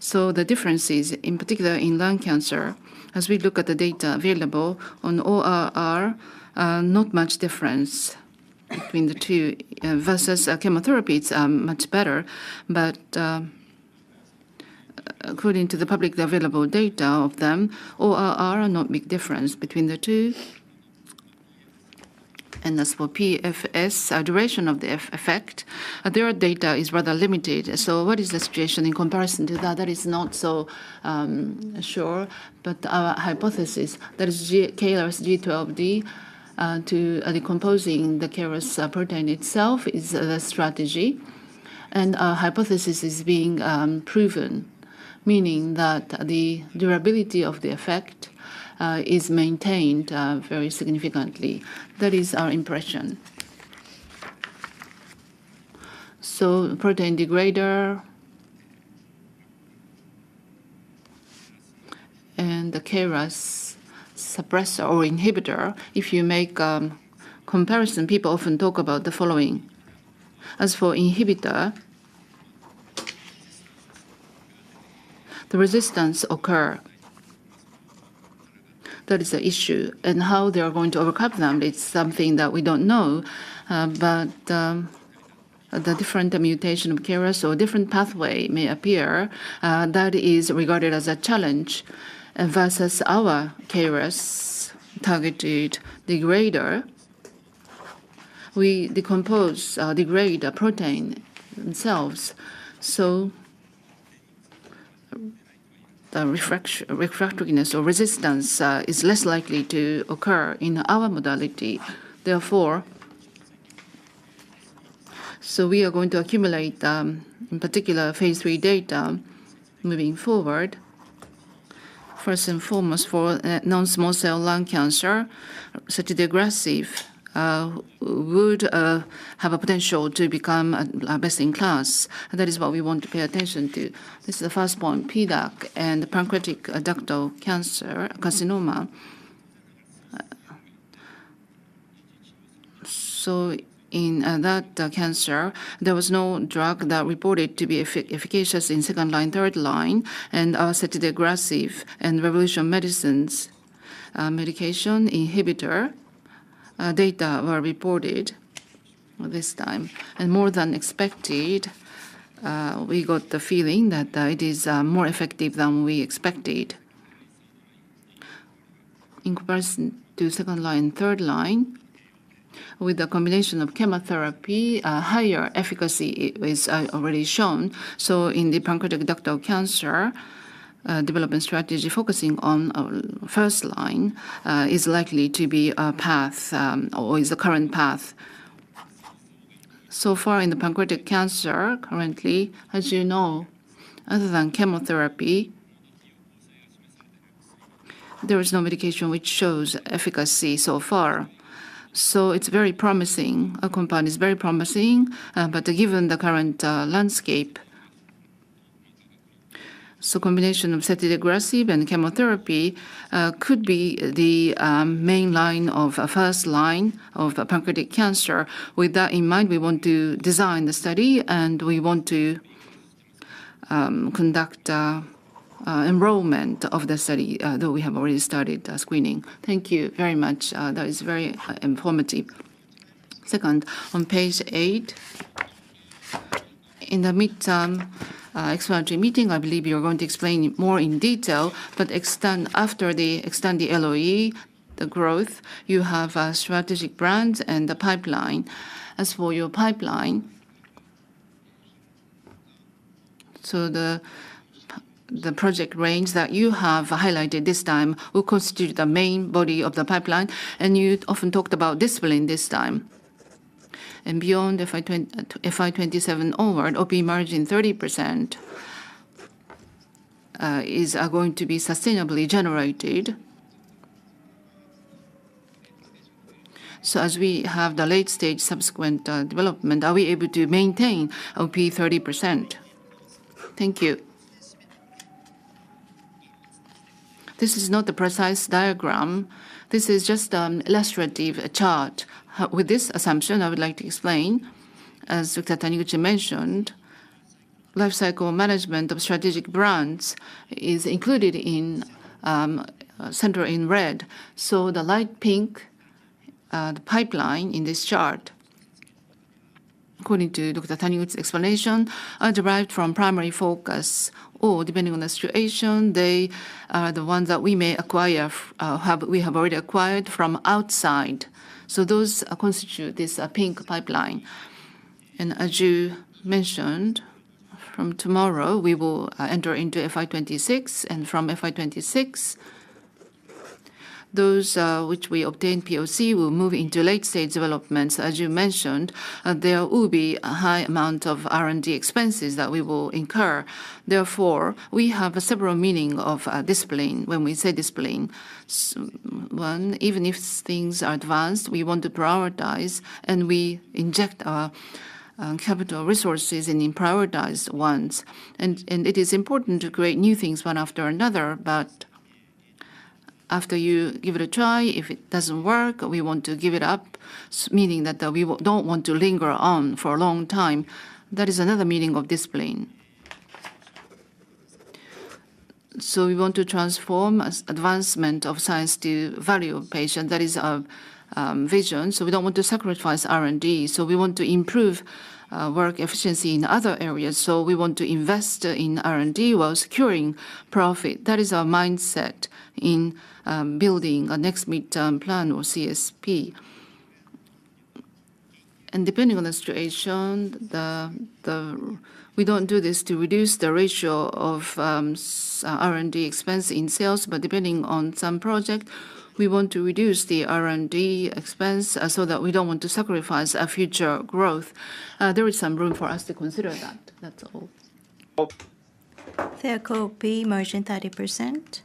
The difference is, in particular in lung cancer, as we look at the data available on ORR, not much difference between the two. Versus chemotherapy, it's much better. According to the publicly available data of them, ORR are not big difference between the two. As for PFS, duration of the effect, their data is rather limited. What is the situation in comparison to that? That is not so sure. Our hypothesis, that is KRAS G12D, to decomposing the KRAS protein itself is the strategy. Our hypothesis is being proven, meaning that the durability of the effect is maintained very significantly. That is our impression. Protein degrader and the KRAS suppressor or inhibitor, if you make comparison, people often talk about the following. As for inhibitor, the resistance occur. That is an issue, and how they are going to overcome them, it's something that we don't know. The different mutation of KRAS or different pathway may appear, that is regarded as a challenge. Versus our KRAS-targeted degrader, we degrade the protein themselves, so the refractoryness or resistance is less likely to occur in our modality. Therefore, we are going to accumulate in particular phase III data moving forward. First and foremost, for non-small cell lung cancer, zitidagresib would have a potential to become our best in class. That is what we want to pay attention to. This is the first point, PDAC, and pancreatic ductal adenocarcinoma. In that cancer, there was no drug that reported to be efficacious in second line, third line, and zitidagresib and Revolution Medicines mutation inhibitor data were reported this time. More than expected, we got the feeling that it is more effective than we expected. In comparison to second line, third line, with the combination of chemotherapy, a higher efficacy is already shown. In the pancreatic ductal cancer development strategy focusing on first line is likely to be a path or is the current path. So far in the pancreatic cancer, currently, as you know, other than chemotherapy, there is no medication which shows efficacy so far. It's very promising. Our compound is very promising, but given the current landscape, so combination of zitidagresib and chemotherapy could be the main line of first line of pancreatic cancer. With that in mind, we want to design the study and we want to conduct enrollment of the study though we have already started screening. Thank you very much. That is very informative. Second, on Page eight, in the midterm exploratory meeting, I believe you're going to explain more in detail, but after the extend the LOE, the growth you have strategic brands and the pipeline. As for your pipeline, the project range that you have highlighted this time will constitute the main body of the pipeline, and you often talked about discipline this time. Beyond FY 2027 onward, OP margin 30% is going to be sustainably generated. As we have the late stage subsequent development, are we able to maintain OP 30%? Thank you. This is not the precise diagram. This is just an illustrative chart. With this assumption, I would like to explain, as Dr. Taniguchi mentioned, life cycle management of strategic brands is included in center in red. The light pink pipeline in this chart, according to Dr. Taniguchi's explanation, are derived from primary focus or, depending on the situation, they are the ones that we may acquire or have already acquired from outside. Those constitute this pink pipeline. As you mentioned, from tomorrow, we will enter into FY 2026, and from FY 2026, those which we obtain POC will move into late stage developments. As you mentioned, there will be a high amount of R&D expenses that we will incur. Therefore, we have several meaning of discipline when we say discipline. One, even if things are advanced, we want to prioritize, and we inject our capital resources in the prioritized ones. It is important to create new things one after another, but after you give it a try, if it doesn't work, we want to give it up, meaning that, we don't want to linger on for a long time. That is another meaning of discipline. We want to transform as advancement of science to value of patient. That is our vision, we don't want to sacrifice R&D. We want to improve work efficiency in other areas, we want to invest in R&D while securing profit. That is our mindset in building our next midterm plan or CSP. Depending on the situation, the. We don't do this to reduce the ratio of R&D expense in sales, but depending on some project, we want to reduce the R&D expense so that we don't want to sacrifice our future growth. There is some room for us to consider that. That's all. Fair copy. Margin 30%.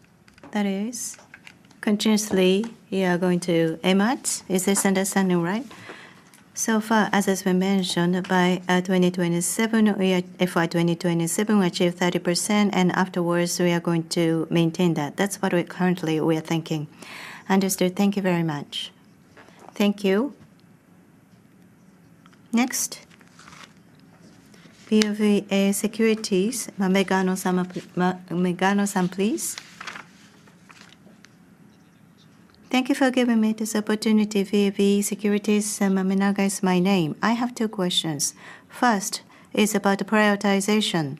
That is continuously you are going to aim at. Is this understanding right? So far, as has been mentioned, by 2027, FY 2027, we achieve 30%, and afterwards we are going to maintain that. That's what we currently are thinking. Understood. Thank you very much. Thank you. Next, VOV Securities. Minaga-san, please. Thank you for giving me this opportunity. VOV Securities, Minaga is my name. I have two questions. First is about prioritization.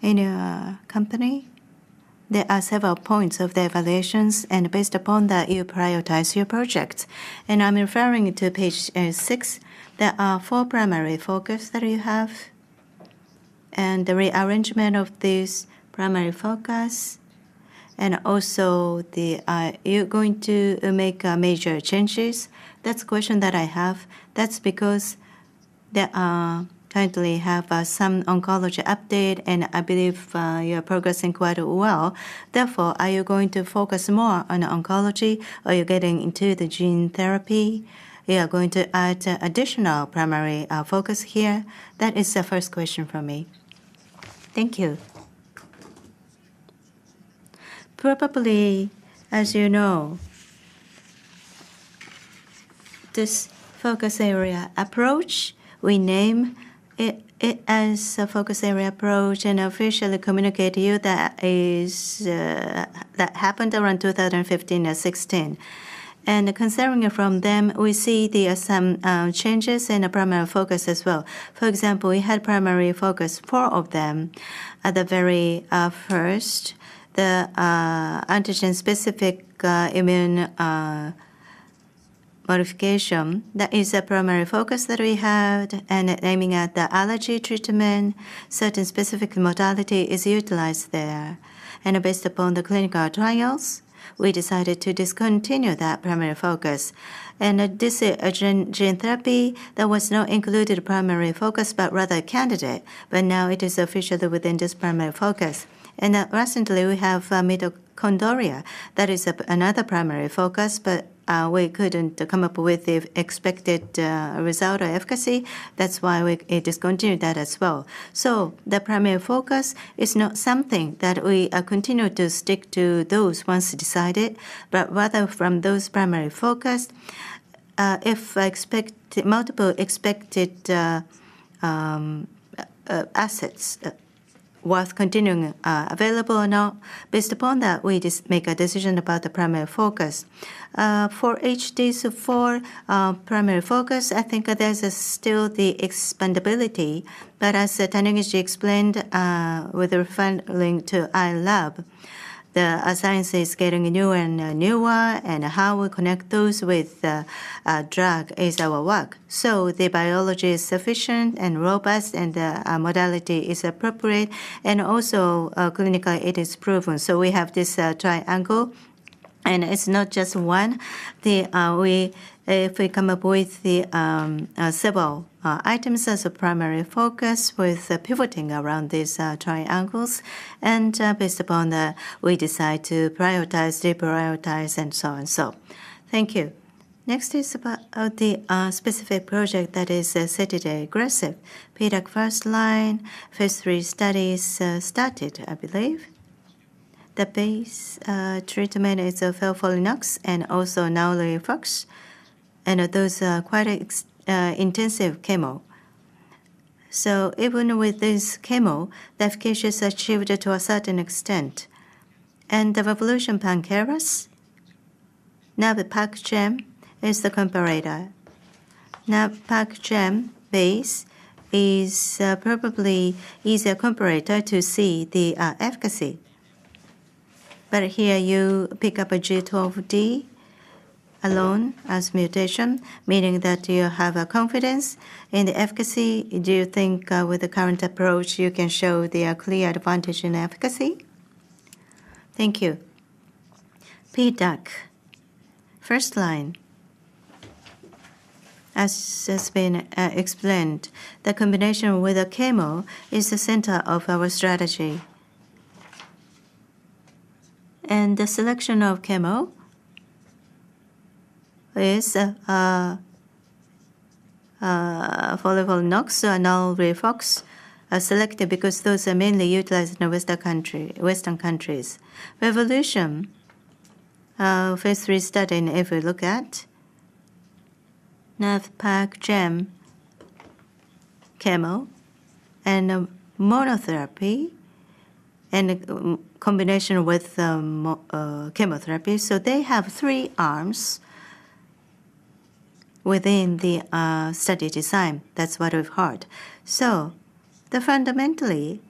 In your company, there are several points of the evaluations, and based upon that, you prioritize your projects. I'm referring to Page six. There are four primary focus that you have, and the rearrangement of these primary focus, and also you're going to make major changes. That's the question that I have. That's because we currently have some oncology update, and I believe you're progressing quite well. Therefore, are you going to focus more on oncology? Are you getting into the gene therapy? You are going to add additional primary focus here? That is the first question from me. Thank you. Probably, as you know, this Focus Area Approach, we named it as a Focus Area Approach and officially communicate to you. That happened around 2015 or 2016. Considering from then, we see there are some changes in the primary focus as well. For example, we had primary focus, four of them at the very first. The antigen-specific immune modification, that is a primary focus that we had, and aiming at the allergy treatment. Certain specific modality is utilized there. Based upon the clinical trials, we decided to discontinue that primary focus. This is a gene therapy that was not included primary focus, but rather a candidate. Now it is officially within this primary focus. Recently we have mitochondria. That is another primary focus, but we couldn't come up with the expected result or efficacy. That's why we discontinued that as well. The primary focus is not something that we continue to stick to those once decided, but rather from those primary focus, if expect multiple expected assets worth continuing available or not. Based upon that, we just make a decision about the primary focus. For each these four primary focus, I think there's still the expandability. As Taniguchi explained, with referring to iLab, the science is getting newer and newer, and how we connect those with the drug is our work. The biology is sufficient and robust, and the modality is appropriate. Clinically it is proven. We have this triangle, and it's not just one. We come up with several items as a primary focus with pivoting around these triangles, and based upon that, we decide to prioritize, reprioritize, and so on. Thank you. Next is about the specific project that is CLDN-aggressive PDAC first line, phase III studies started, I believe. The base treatment is FOLFIRINOX and also now NALIRIFOX. Those are quite intensive chemo. Even with this chemo, the efficacy is achieved to a certain extent. The Revolution pan-KRAS, now the PAC gem is the comparator. Now, PAC gem base is probably easier comparator to see the efficacy. But here you pick up a G12D alone as mutation, meaning that you have a confidence in the efficacy. Do you think with the current approach, you can show the clear advantage in efficacy? Thank you. PDAC. First line. As has been explained, the combination with the chemo is the center of our strategy. The selection of chemo is FOLFIRINOX or NALIRIFOX are selected because those are mainly utilized in the Western countries. Revolution phase III study, and if we look at NALIRIFOX nab-paclitaxel/gemcitabine chemo and monotherapy and combination with chemotherapy. They have three arms within the study design. That's what we've heard. Fundamentally,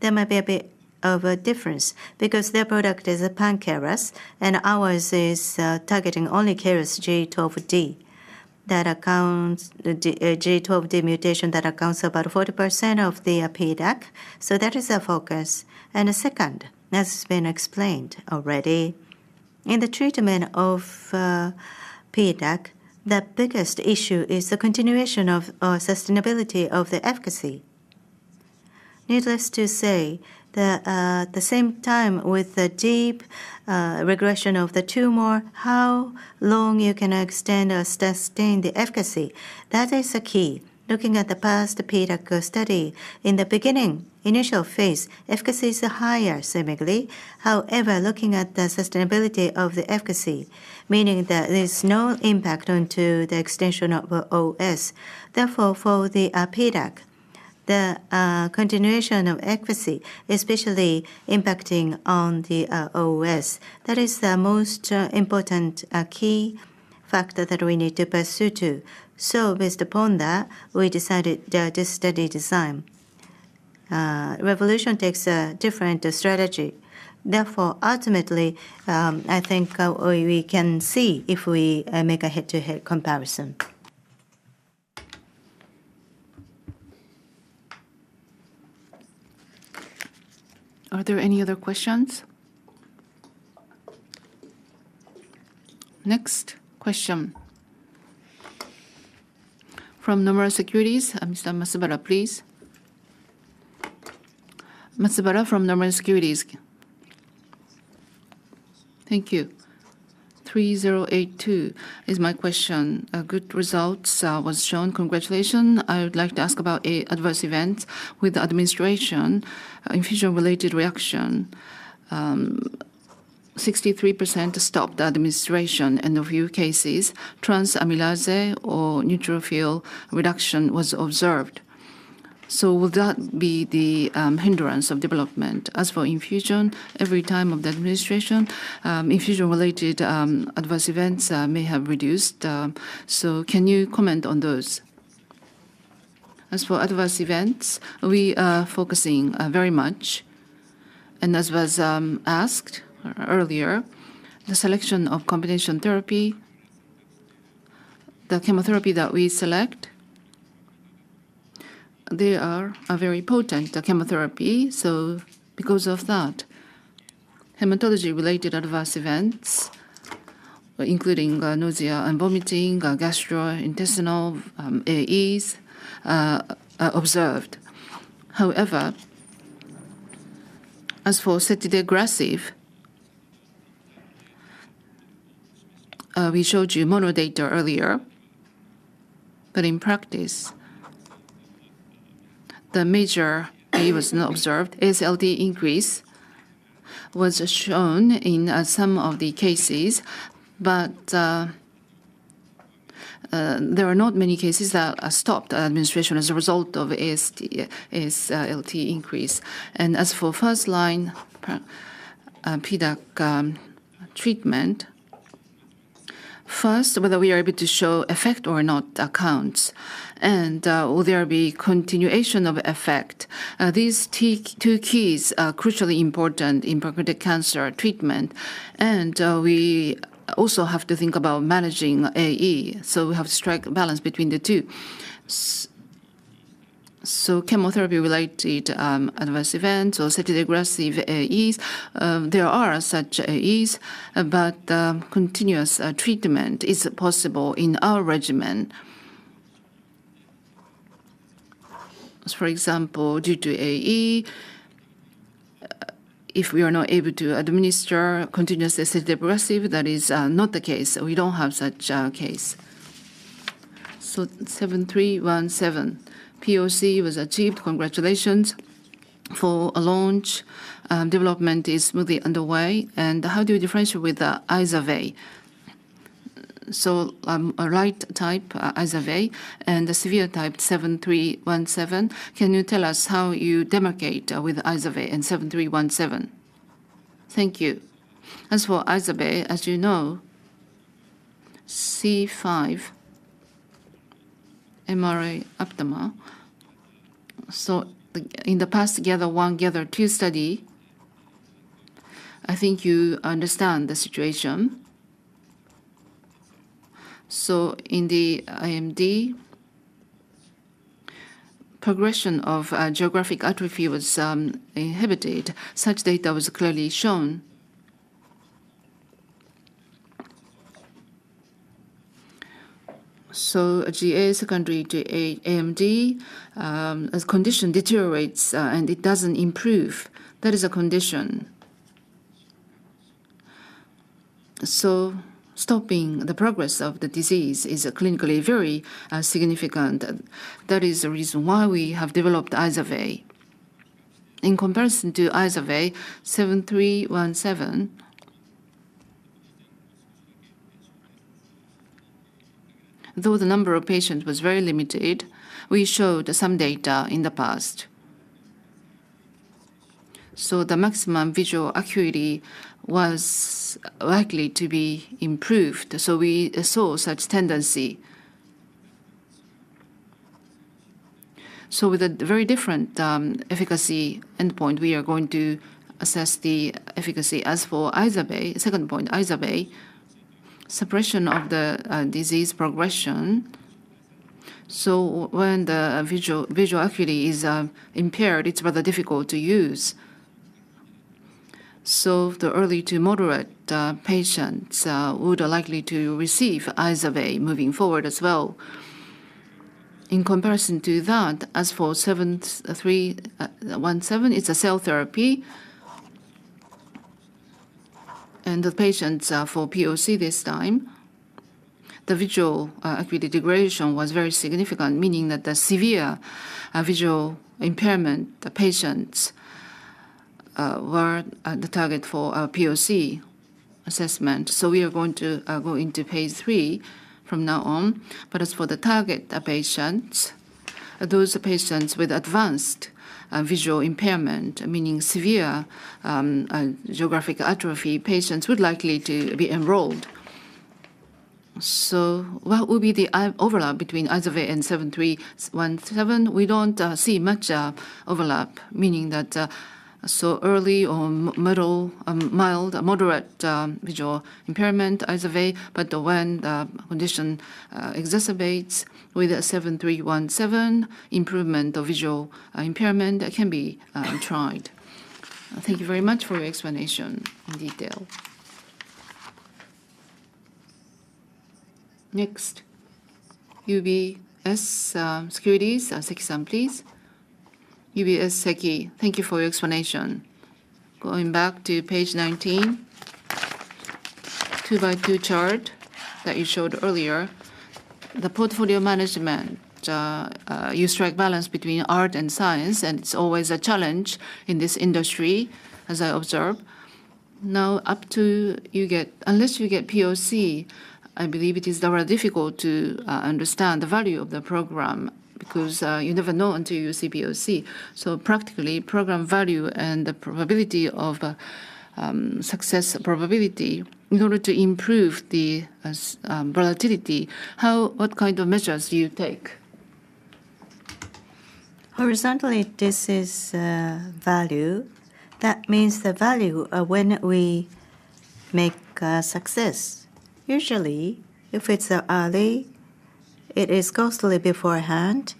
there might be a bit of a difference because their product is a pan-KRAS and ours is targeting only KRAS G12D. That accounts for the G12D mutation that accounts for about 40% of the PDAC. That is our focus. And second, as has been explained already. In the treatment of PDAC, the biggest issue is the continuation of, or sustainability of, the efficacy. Needless to say, the same time with the deep regression of the tumor, how long you can extend or sustain the efficacy, that is the key. Looking at the past PDAC study, in the beginning, initial phase, efficacy is higher seemingly. However, looking at the sustainability of the efficacy, meaning that there's no impact onto the extension of OS. Therefore, for PDAC, the continuation of efficacy, especially impacting on the OS, that is the most important key factor that we need to pursue to. Based upon that, we decided this study design. Revolution Medicines takes a different strategy. Therefore, ultimately, I think we can see if we make a head-to-head comparison. Are there any other questions? Next question from Nomura Securities, Mr. Matsubara, please. Matsubara from Nomura Securities. Thank you. 3082 is my question. Good results was shown. Congratulations. I would like to ask about adverse event with the administration, infusion-related reaction. 63% stopped the administration in a few cases. Transaminase or neutrophil reduction was observed. Will that be the hindrance of development? As for infusion, every time of the administration, infusion-related adverse events may have reduced. Can you comment on those? As for adverse events, we are focusing very much, and as was asked earlier, the selection of combination therapy, the chemotherapy that we select, they are a very potent chemotherapy. Because of that, hematology-related adverse events, including nausea and vomiting, gastrointestinal AEs, are observed. However, as for zitidagresib, we showed you mono data earlier, but in practice, the major AE was not observed. ALT increase was shown in some of the cases, but there are not many cases that stopped administration as a result of ALT increase. As for first line PDAC treatment, first whether we are able to show effect or not counts, and will there be continuation of effect? These two keys are crucially important in pancreatic cancer treatment. We also have to think about managing AE, so we have to strike a balance between the two. Chemotherapy-related adverse events or cytotoxic AEs, there are such AEs, but continuous treatment is possible in our regimen. For example, due to AE, if we are not able to administer continuous cytotoxic, that is not the case. We don't have such case. ASP7317. POC was achieved. Congratulations for a launch. Development is smoothly underway. How do you differentiate with IZERVAY? A right type, IZERVAY, and a severe type, ASP7317. Can you tell us how you demarcate with IZERVAY and ASP7317? Thank you. As for IZERVAY, as you know, C5 complement aptamer. In the past, GATHER1, GATHER2 study, I think you understand the situation. In the AMD, progression of geographic atrophy was inhibited. Such data was clearly shown. GA secondary to AMD, as condition deteriorates, and it doesn't improve, that is a condition. Stopping the progress of the disease is clinically very significant. That is the reason why we have developed IZERVAY. In comparison to IZERVAY, ASP7317, though the number of patients was very limited, we showed some data in the past. The maximum visual acuity was likely to be improved, so we saw such tendency. With a very different efficacy endpoint, we are going to assess the efficacy. As for IZERVAY, second point, IZERVAY, suppression of the disease progression. When the visual acuity is impaired, it's rather difficult to use. The early to moderate patients would likely to receive IZERVAY moving forward as well. In comparison to that, as for ASP7317, it's a cell therapy. The patients for POC this time, the visual acuity degradation was very significant, meaning that the severe visual impairment the patients were the target for our POC assessment. We are going to go into phase III from now on. As for the target patients, those patients with advanced visual impairment, meaning severe geographic atrophy patients would likely to be enrolled. What would be the overlap between IZERVAY and ASP7317? We don't see much overlap, meaning that so early or middle mild moderate visual impairment IZERVAY. But when the condition exacerbates with the 7317, improvement of visual impairment can be tried. Thank you very much for your explanation in detail. Next, UBS Securities Sakai-san, please. UBS Sakai, thank you for your explanation. Going back to Page 19, two by two chart that you showed earlier. The portfolio management you strike balance between art and science, and it's always a challenge in this industry as I observe. Unless you get POC, I believe it is rather difficult to understand the value of the program because you never know until you see POC. Practically, program value and the probability of success probability in order to improve the probability, what kind of measures do you take? Horizontally, this is value. That means the value of when we make success. Usually, if it's early, it is costly beforehand,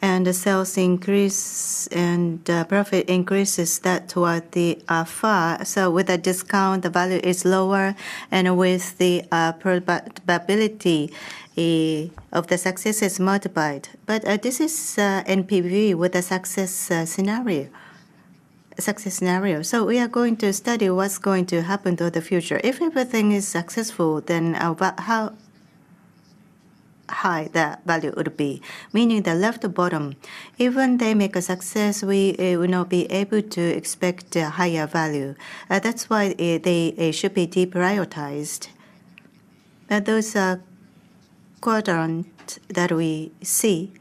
and the sales increase and profit increases that toward the far. With a discount, the value is lower, and with the probability of the success is multiplied. This is NPV with a success scenario. We are going to study what's going to happen to the future. If everything is successful, how high the value would be. Meaning the left bottom, even they make a success, we will not be able to expect a higher value. That's why they should be deprioritized. Those are quadrants that we see,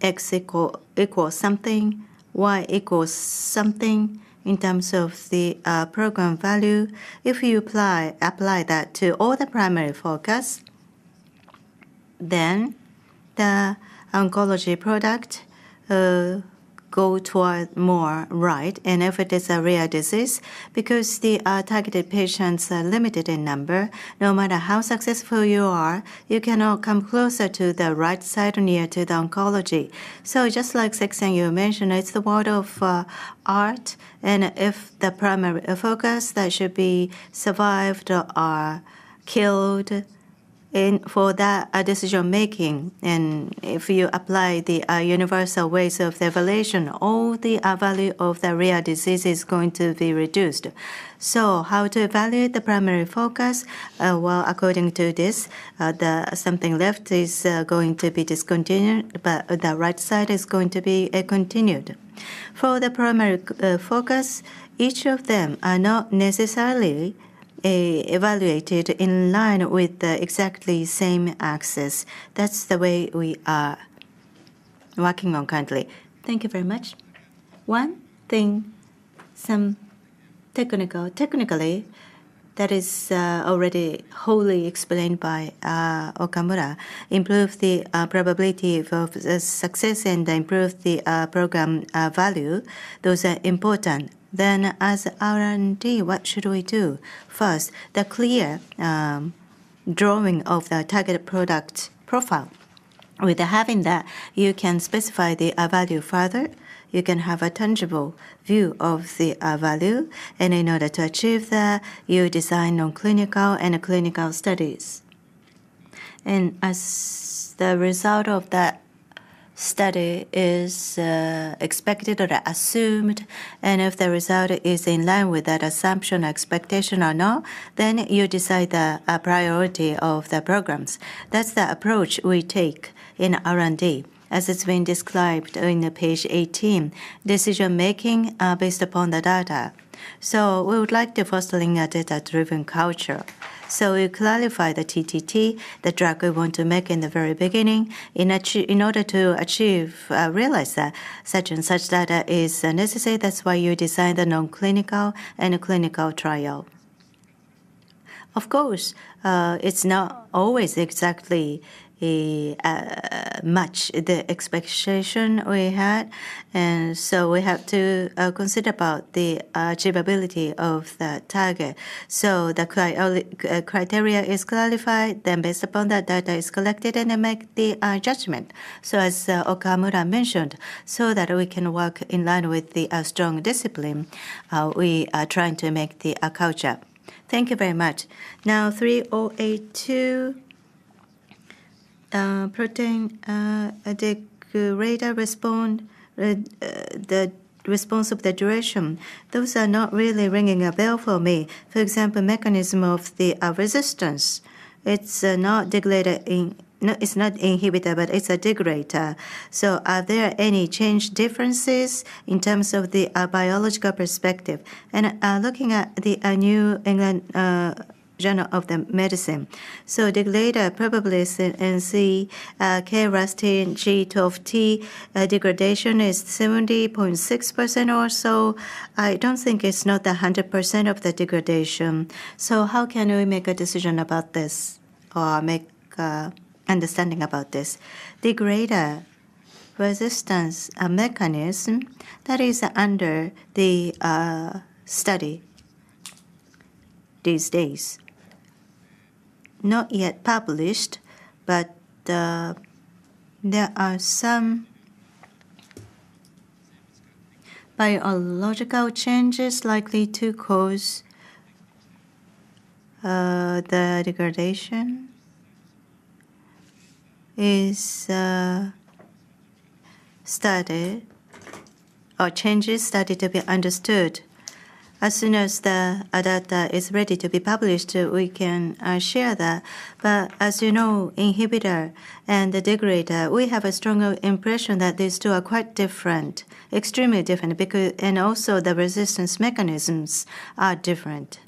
X equals something, Y equals something in terms of the program value. If you apply that to all the primary focus, then the oncology product go toward more right. If it is a rare disease, because the targeted patients are limited in number, no matter how successful you are, you cannot come closer to the right side near to the oncology. Just like Sakai-san you mentioned, it's the world of art, and if the primary focus that should be survived or are killed in for that decision making, and if you apply the universal ways of evaluation, all the value of the rare disease is going to be reduced. How to evaluate the primary focus? Well, according to this, the something left is going to be discontinued, but the right side is going to be continued. For the primary focus, each of them are not necessarily evaluated in line with the exactly same access. That's the way we are working on currently. Thank you very much. One thing, some technical. Technically, that is already wholly explained by Okamura. Improve the probability of success and improve the program value. Those are important. As R&D, what should we do? First, the clear drawing of the target product profile. With having that, you can specify the value further. You can have a tangible view of the value. In order to achieve that, you design non-clinical and clinical studies. As the result of that study is expected or assumed, and if the result is in line with that assumption, expectation or not, then you decide the priority of the programs. That's the approach we take in R&D, as it's been described in Page 18. Decision making based upon the data. We would like to foster a data-driven culture. We clarify the TTT, the drug we want to make in the very beginning. In order to achieve, realize that such and such data is necessary, that's why you design the non-clinical and clinical trial. Of course, it's not always exactly a match the expectation we had, and so we have to consider about the achievability of that target. The criteria is clarified, then based upon that data is collected and then make the judgment. As Okamura mentioned, so that we can work in line with the strong discipline, we are trying to make the culture. Thank you very much. Now 3082 protein degrader. The response of the duration, those are not really ringing a bell for me. For example, mechanism of the resistance. It's not inhibitor, but it's a degrader. Are there any change differences in terms of the biological perspective? Looking at the New England Journal of Medicine. Degrader probably is an NCE, KRAS G12D degradation is 70.6% or so. I don't think it's not the 100% of the degradation. How can we make a decision about this or make understanding about this? Degrader resistance, a mechanism that is under the study these days. Not yet published, but there are some biological changes likely to cause the degradation is studied or changes studied to be understood. As soon as the data is ready to be published, we can share that. But as you know, inhibitor and the degrader, we have a stronger impression that these two are quite different, extremely different because. Also the resistance mechanisms are different.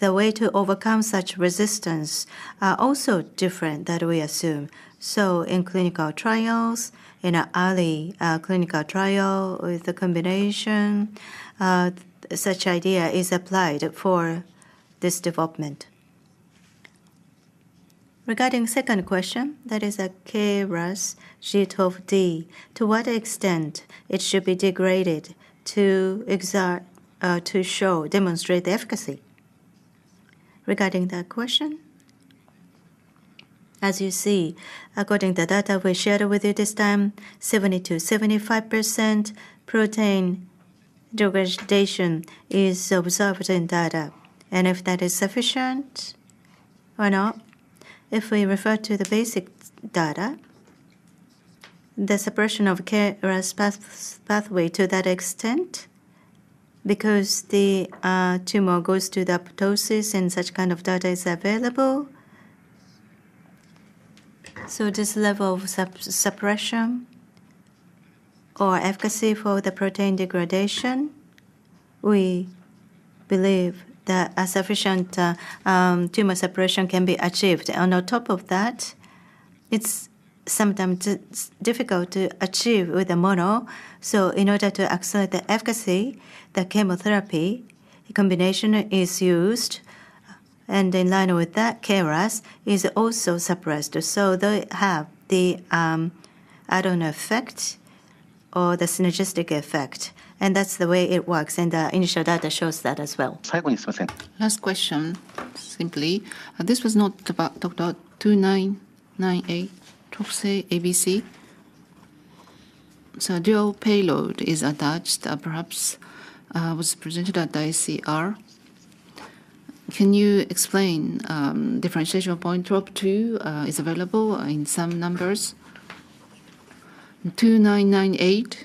The way to overcome such resistance are also different that we assume. In clinical trials, in an early clinical trial with the combination, such idea is applied for this development. Regarding the second question, that is KRAS G12D, to what extent it should be degraded to show, demonstrate the efficacy? Regarding that question, as you see, according to the data we shared with you this time, 70% to 75% protein degradation is observed in data. If that is sufficient or not, if we refer to the basic data, the suppression of KRAS pathway to that extent, because the tumor goes to the apoptosis, and such kind of data is available. This level of suppression or efficacy for the protein degradation, we believe that sufficient tumor suppression can be achieved. On top of that, it's sometimes difficult to achieve with the mono. In order to accelerate the efficacy, the chemotherapy combination is used, and in line with that, KRAS is also suppressed. They have the add-on effect or the synergistic effect. That's the way it works, and the initial data shows that as well. Last question, simply. This was not talked about ASP2998 Trop2 ADC. So dual payload is attached, was presented at the AACR. Can you explain differentiation point Trop2 is available in some numbers? ASP2998,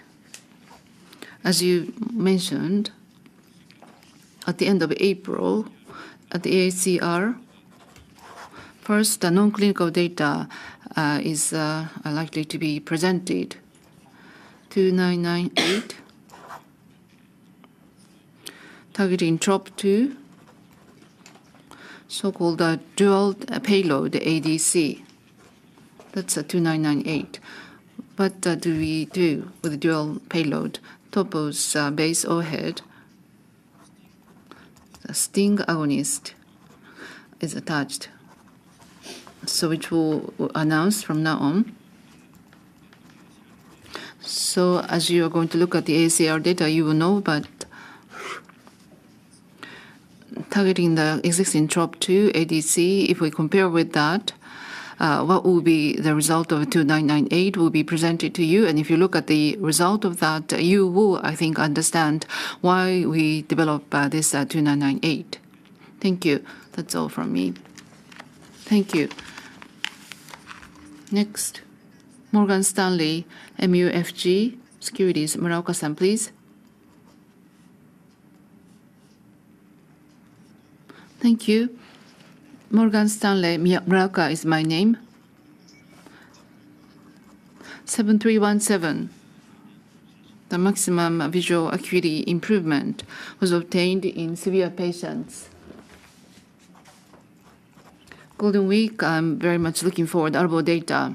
as you mentioned, at the end of April at the AACR. First, the non-clinical data is likely to be presented. ASP2998, targeting Trop2, so-called a dual payload ADC. That's ASP2998. What do we do with dual payload? Topoisomerase-based payload. STING agonist is attached. So which we'll announce from now on. So as you are going to look at the AACR data, you will know, but targeting the existing Trop2 ADC, if we compare with that, what will be the result of ASP2998 will be presented to you. If you look at the result of that, you will, I think, understand why we develop this ASP2998. Thank you. That's all from me. Thank you. Next, Morgan Stanley MUFG Securities. Muraoka-san, please. Thank you. Morgan Stanley, Muraoka is my name. ASP7317. The maximum visual acuity improvement was obtained in severe patients. Golden Week, I'm very much looking forward to ARVO data.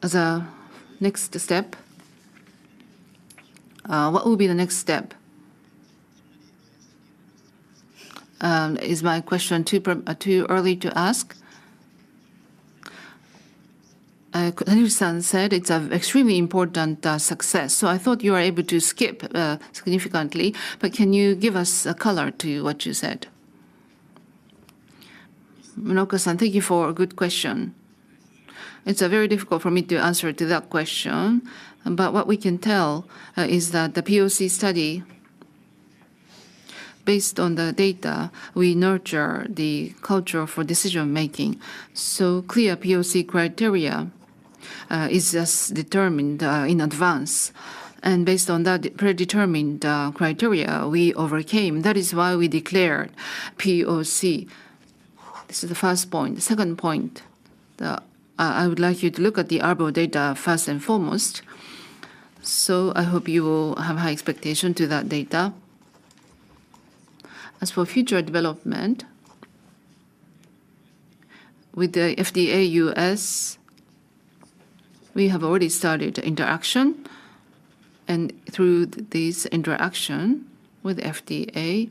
As a next step, what will be the next step? Is my question too early to ask? Koizumi-san said it's an extremely important success, so I thought you were able to skip significantly. But can you give us a color to what you said? Muraoka-san, thank you for a good question. It's very difficult for me to answer to that question, but what we can tell is that the POC study, based on the data, we nurture the culture for decision-making. Clear POC criteria is just determined in advance, and based on that predetermined criteria, we overcame. That is why we declared POC. This is the first point. The second point, I would like you to look at the ARVO data first and foremost, so I hope you will have high expectation to that data. As for future development, with the FDA U.S., we have already started interaction, and through this interaction with FDA,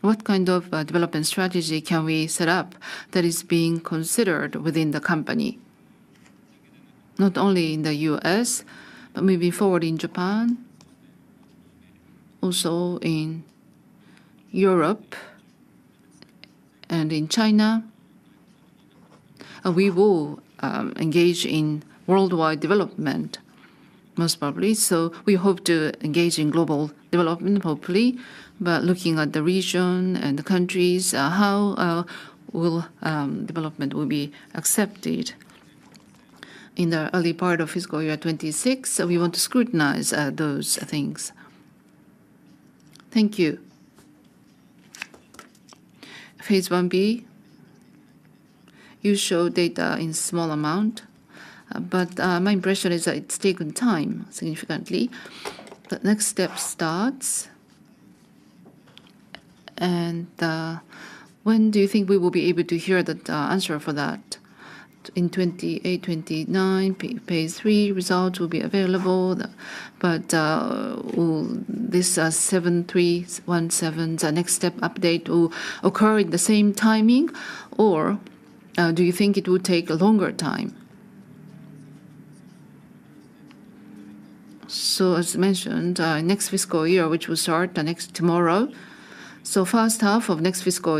what kind of development strategy can we set up that is being considered within the company? Not only in the U.S., but moving forward in Japan, also in Europe and in China. We will engage in worldwide development, most probably. We hope to engage in global development, hopefully. Looking at the region and the countries, how will development be accepted in the early part of FY 2026? We want to scrutinize those things. Thank you. Phase Ib, you show data in small amount, but my impression is that it's taken time, significantly. The next step starts and when do you think we will be able to hear the answer for that? In 2028, 2029, phase III results will be available. Will this ASP7317, the next step update occur in the same timing, or do you think it will take a longer time? As mentioned, next fiscal year, which will start the next tomorrow. First half of next fiscal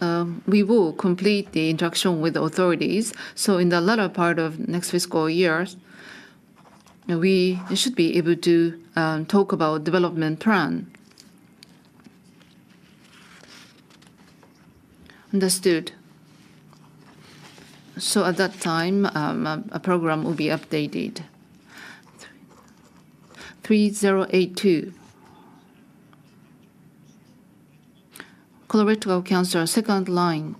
year, we will complete the interaction with authorities. In the latter part of next fiscal year, we should be able to talk about development plan. Understood. At that time, a program will be updated. 3082. Colorectal cancer second line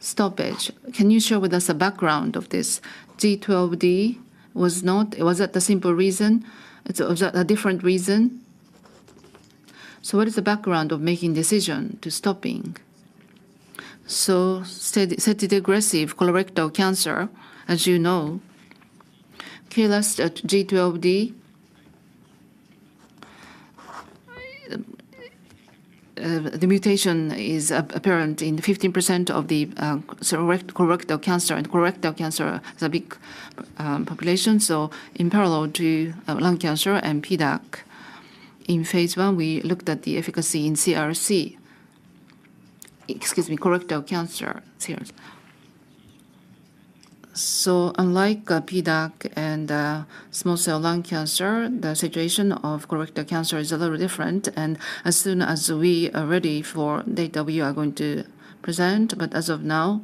stoppage. Can you share with us the background of this? Was that the simple reason? Or was that a different reason? What is the background of making decision to stopping? Static aggressive colorectal cancer, as you know. KRAS G12D, the mutation is apparent in 15% of the colorectal cancer, and colorectal cancer is a big population. In parallel to lung cancer and PDAC. In phase I, we looked at the efficacy in CRC. Excuse me, colorectal cancer. It's here. Unlike PDAC and small cell lung cancer, the situation of colorectal cancer is a little different, and as soon as we are ready for data, we are going to present. As of now,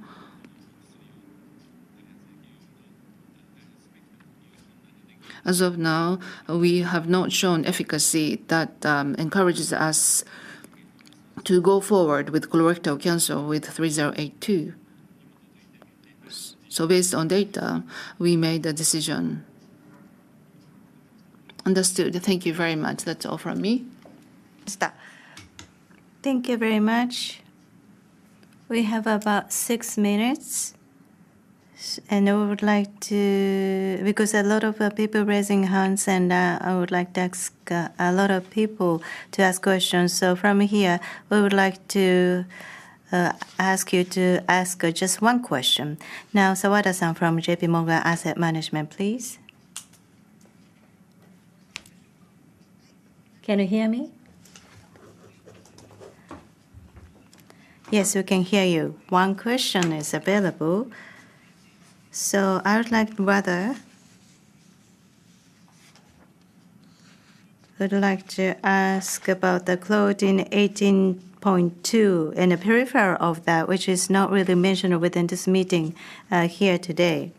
we have not shown efficacy that encourages us to go forward with colorectal cancer with 3082. Based on data, we made a decision. Understood. Thank you very much. That's all from me. Stop. Thank you very much. We have about six minutes and I would like to. Because a lot of people raising hands and I would like to ask a lot of people to ask questions. From here, we would like to ask you to ask just one question. Now, Sawada-san from JPMorgan Asset Management, please. Can you hear me? Yes, we can hear you. One question is available. I would like to ask about the Claudin 18.2 and the peripheral of that which is not really mentioned within this meeting here today.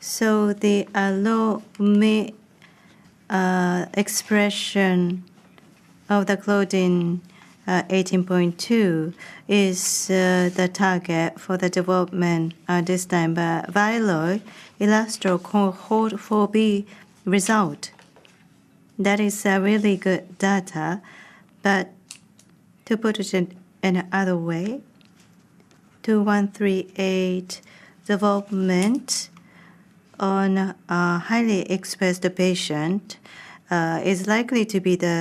The low expression of the Claudin 18.2 is the target for the development this time. VYLOY ILUSTRO Cohort 4B results. That is really good data, but to put it in another way, ASP2138 development on a highly expressed patient is likely to be the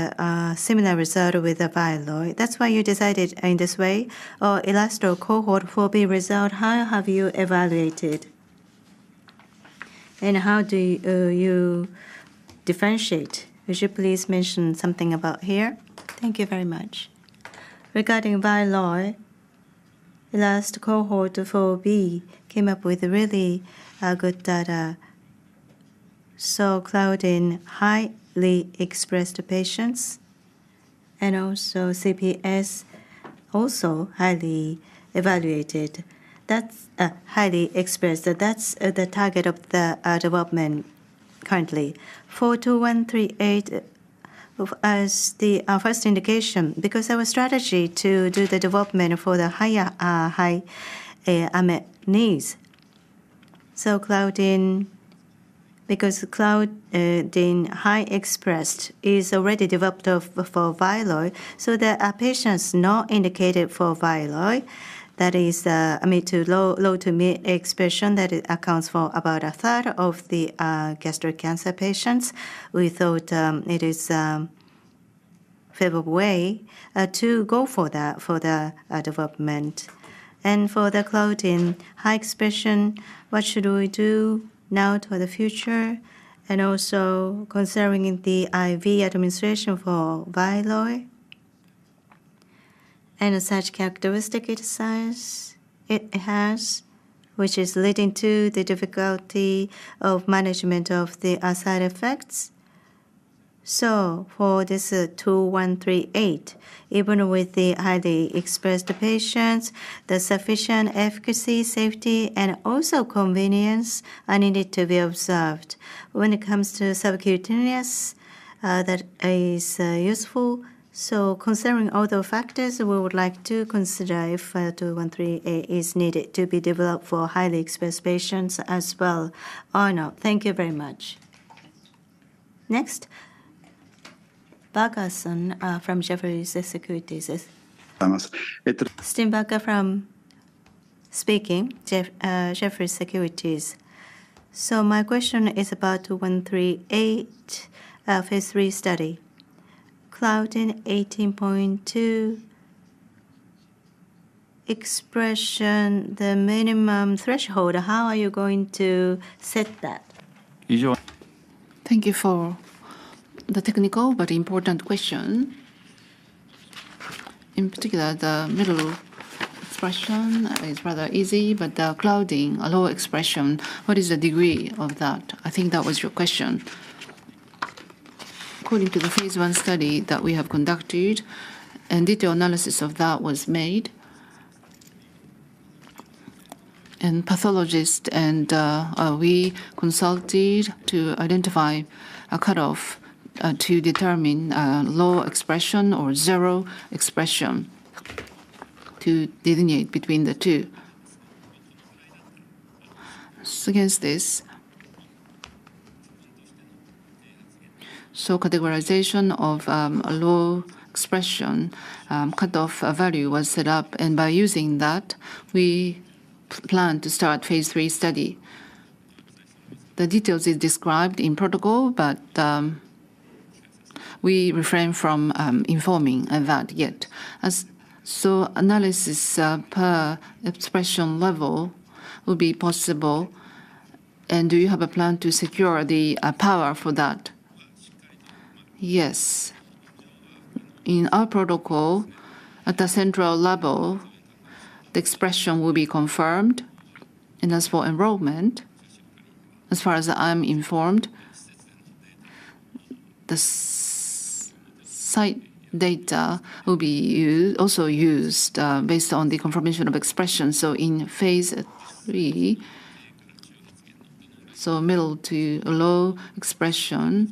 similar result with the VYLOY. That's why you decided in this way or 4B result, how have you evaluated and how do you differentiate? Would you please mention something about here? Thank you very much. Regarding VYLOY, last Cohort 4B came up with really good data. So Claudin highly expressed patients and also CPS also highly evaluated. That's highly expressed. That's the target of the development currently. ASP2138 as the first indication because our strategy to do the development for the higher unmet needs. Claudin, because Claudin high expressed is already developed for VYLOY, there are patients not indicated for VYLOY. That is, mid- to low, low- to mid-expression that accounts for about a third of the gastric cancer patients. We thought it is a favorable way to go for the development. For the Claudin high expression, what should we do now to the future and also considering the IV administration for VYLOY and such characteristics it has, which is leading to the difficulty of management of the side effects. For this ASP2138, even with the highly expressed patients, the sufficient efficacy, safety, and also convenience are needed to be observed. When it comes to subcutaneous, that is useful. Considering all the factors, we would like to consider if 2138 is needed to be developed for highly expressed patients as well. Arno, thank you very much. Next, Barker-san from Jefferies Securities. Steve Barker speaking from Jefferies Securities. My question is about 2138 phase III study. Claudin 18.2 expression, the minimum threshold, how are you going to set that? Thank you for the technical but important question. In particular, the middle expression is rather easy, but the Claudin, a low expression, what is the degree of that? I think that was your question. According to the phase I study that we have conducted, and detailed analysis of that was made. Pathologists and we consulted to identify a cutoff to determine low expression or zero expression to delineate between the two. Against this. Categorization of a low expression cutoff value was set up, and by using that, we plan to start phase III study. The details is described in protocol, but we refrain from informing of that yet. Analysis per expression level will be possible, and do you have a plan to secure the power for that? Yes. In our protocol, at the central level, the expression will be confirmed, and as for enrollment, as far as I'm informed, the site data will also be used, based on the confirmation of expression. In phase III, middle to low expression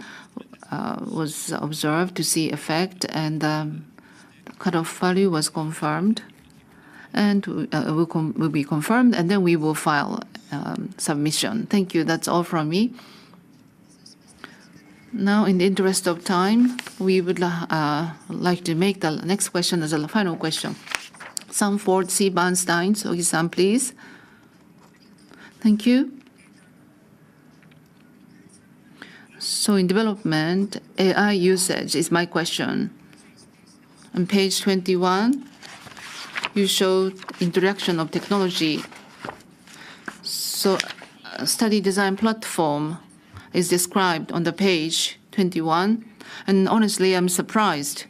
was observed to see effect and cutoff value was confirmed and will be confirmed, and then we will file submission. Thank you. That's all from me. Now in the interest of time, we would like to make the next question as the final question. Sanford C. Bernstein. Sogi-san, please. Thank you. In development, AI usage is my question. On Page 21, you showed introduction of technology. Study design platform is described on Page 21, and honestly, I'm surprised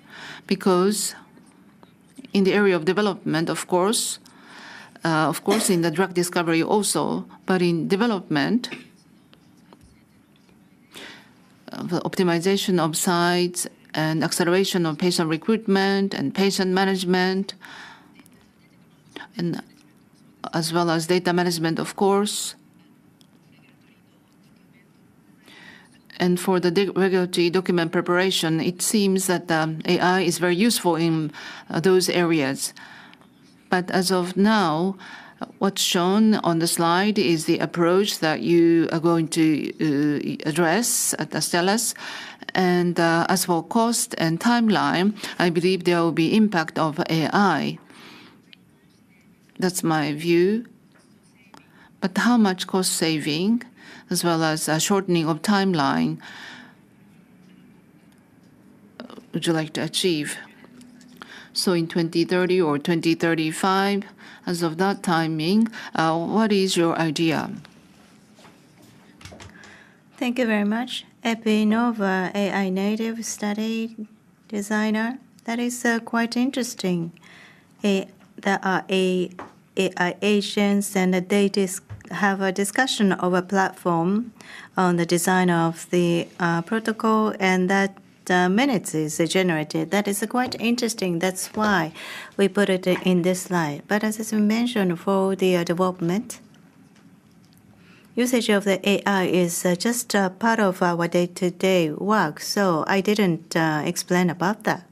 because in the area of development, of course, in the drug discovery also, but in development, the optimization of sites and acceleration of patient recruitment and patient management and as well as data management, of course. For the regulatory document preparation, it seems that AI is very useful in those areas. As of now, what's shown on the slide is the approach that you are going to address at Astellas. As for cost and timeline, I believe there will be impact of AI. That's my view. How much cost saving as well as shortening of timeline would you like to achieve? In 2030 or 2035, as of that timing, what is your idea? Thank you very much. Epinova AI Native Study Designer. That is quite interesting. There are AI agents and the data have a discussion of a platform on the design of the protocol, and that minutes is generated. That is quite interesting. That's why we put it in this slide. As we mentioned, for the development, usage of the AI is just a part of our day-to-day work, so I didn't explain about that.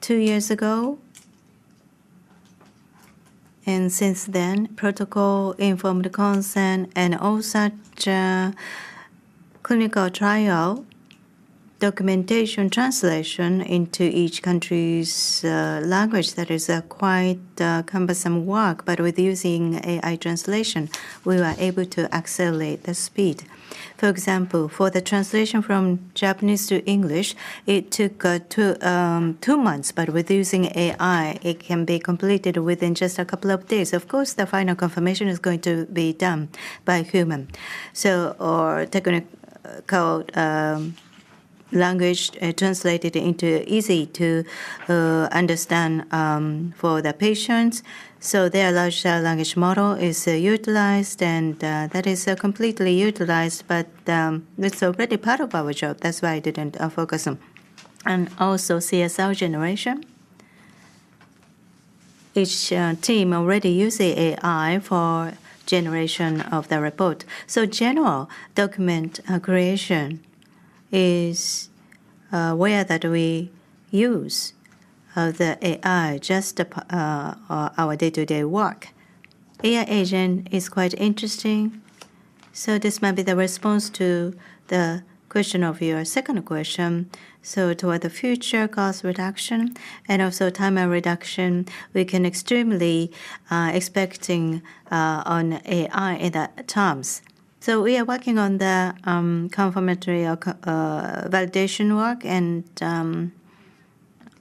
Two years ago and since then, protocol, informed consent, and all such clinical trial documentation translation into each country's language, that is quite cumbersome work. With using AI translation, we were able to accelerate the speed. For example, for the translation from Japanese to English, it took two months. With using AI, it can be completed within just a couple of days. Of course, the final confirmation is going to be done by human. Technical language translated into easy to understand for the patients. Their large language model is utilized and that is completely utilized, but that's already part of our job. That's why I didn't focus on. CSR generation. Each team already use AI for generation of the report. General document creation is where that we use the AI, just our day-to-day work. AI agent is quite interesting, so this might be the response to the question of your second question. Toward the future cost reduction and also time reduction, we can extremely expecting on AI in the terms. We are working on the confirmatory or validation work and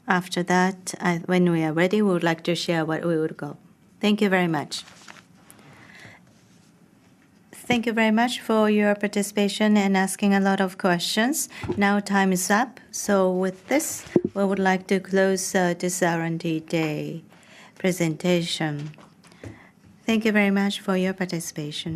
after that, when we are ready, we would like to share what we would go. Thank you very much. Thank you very much for your participation and asking a lot of questions. Now time is up. With this, we would like to close this R&D day presentation. Thank you very much for your participation.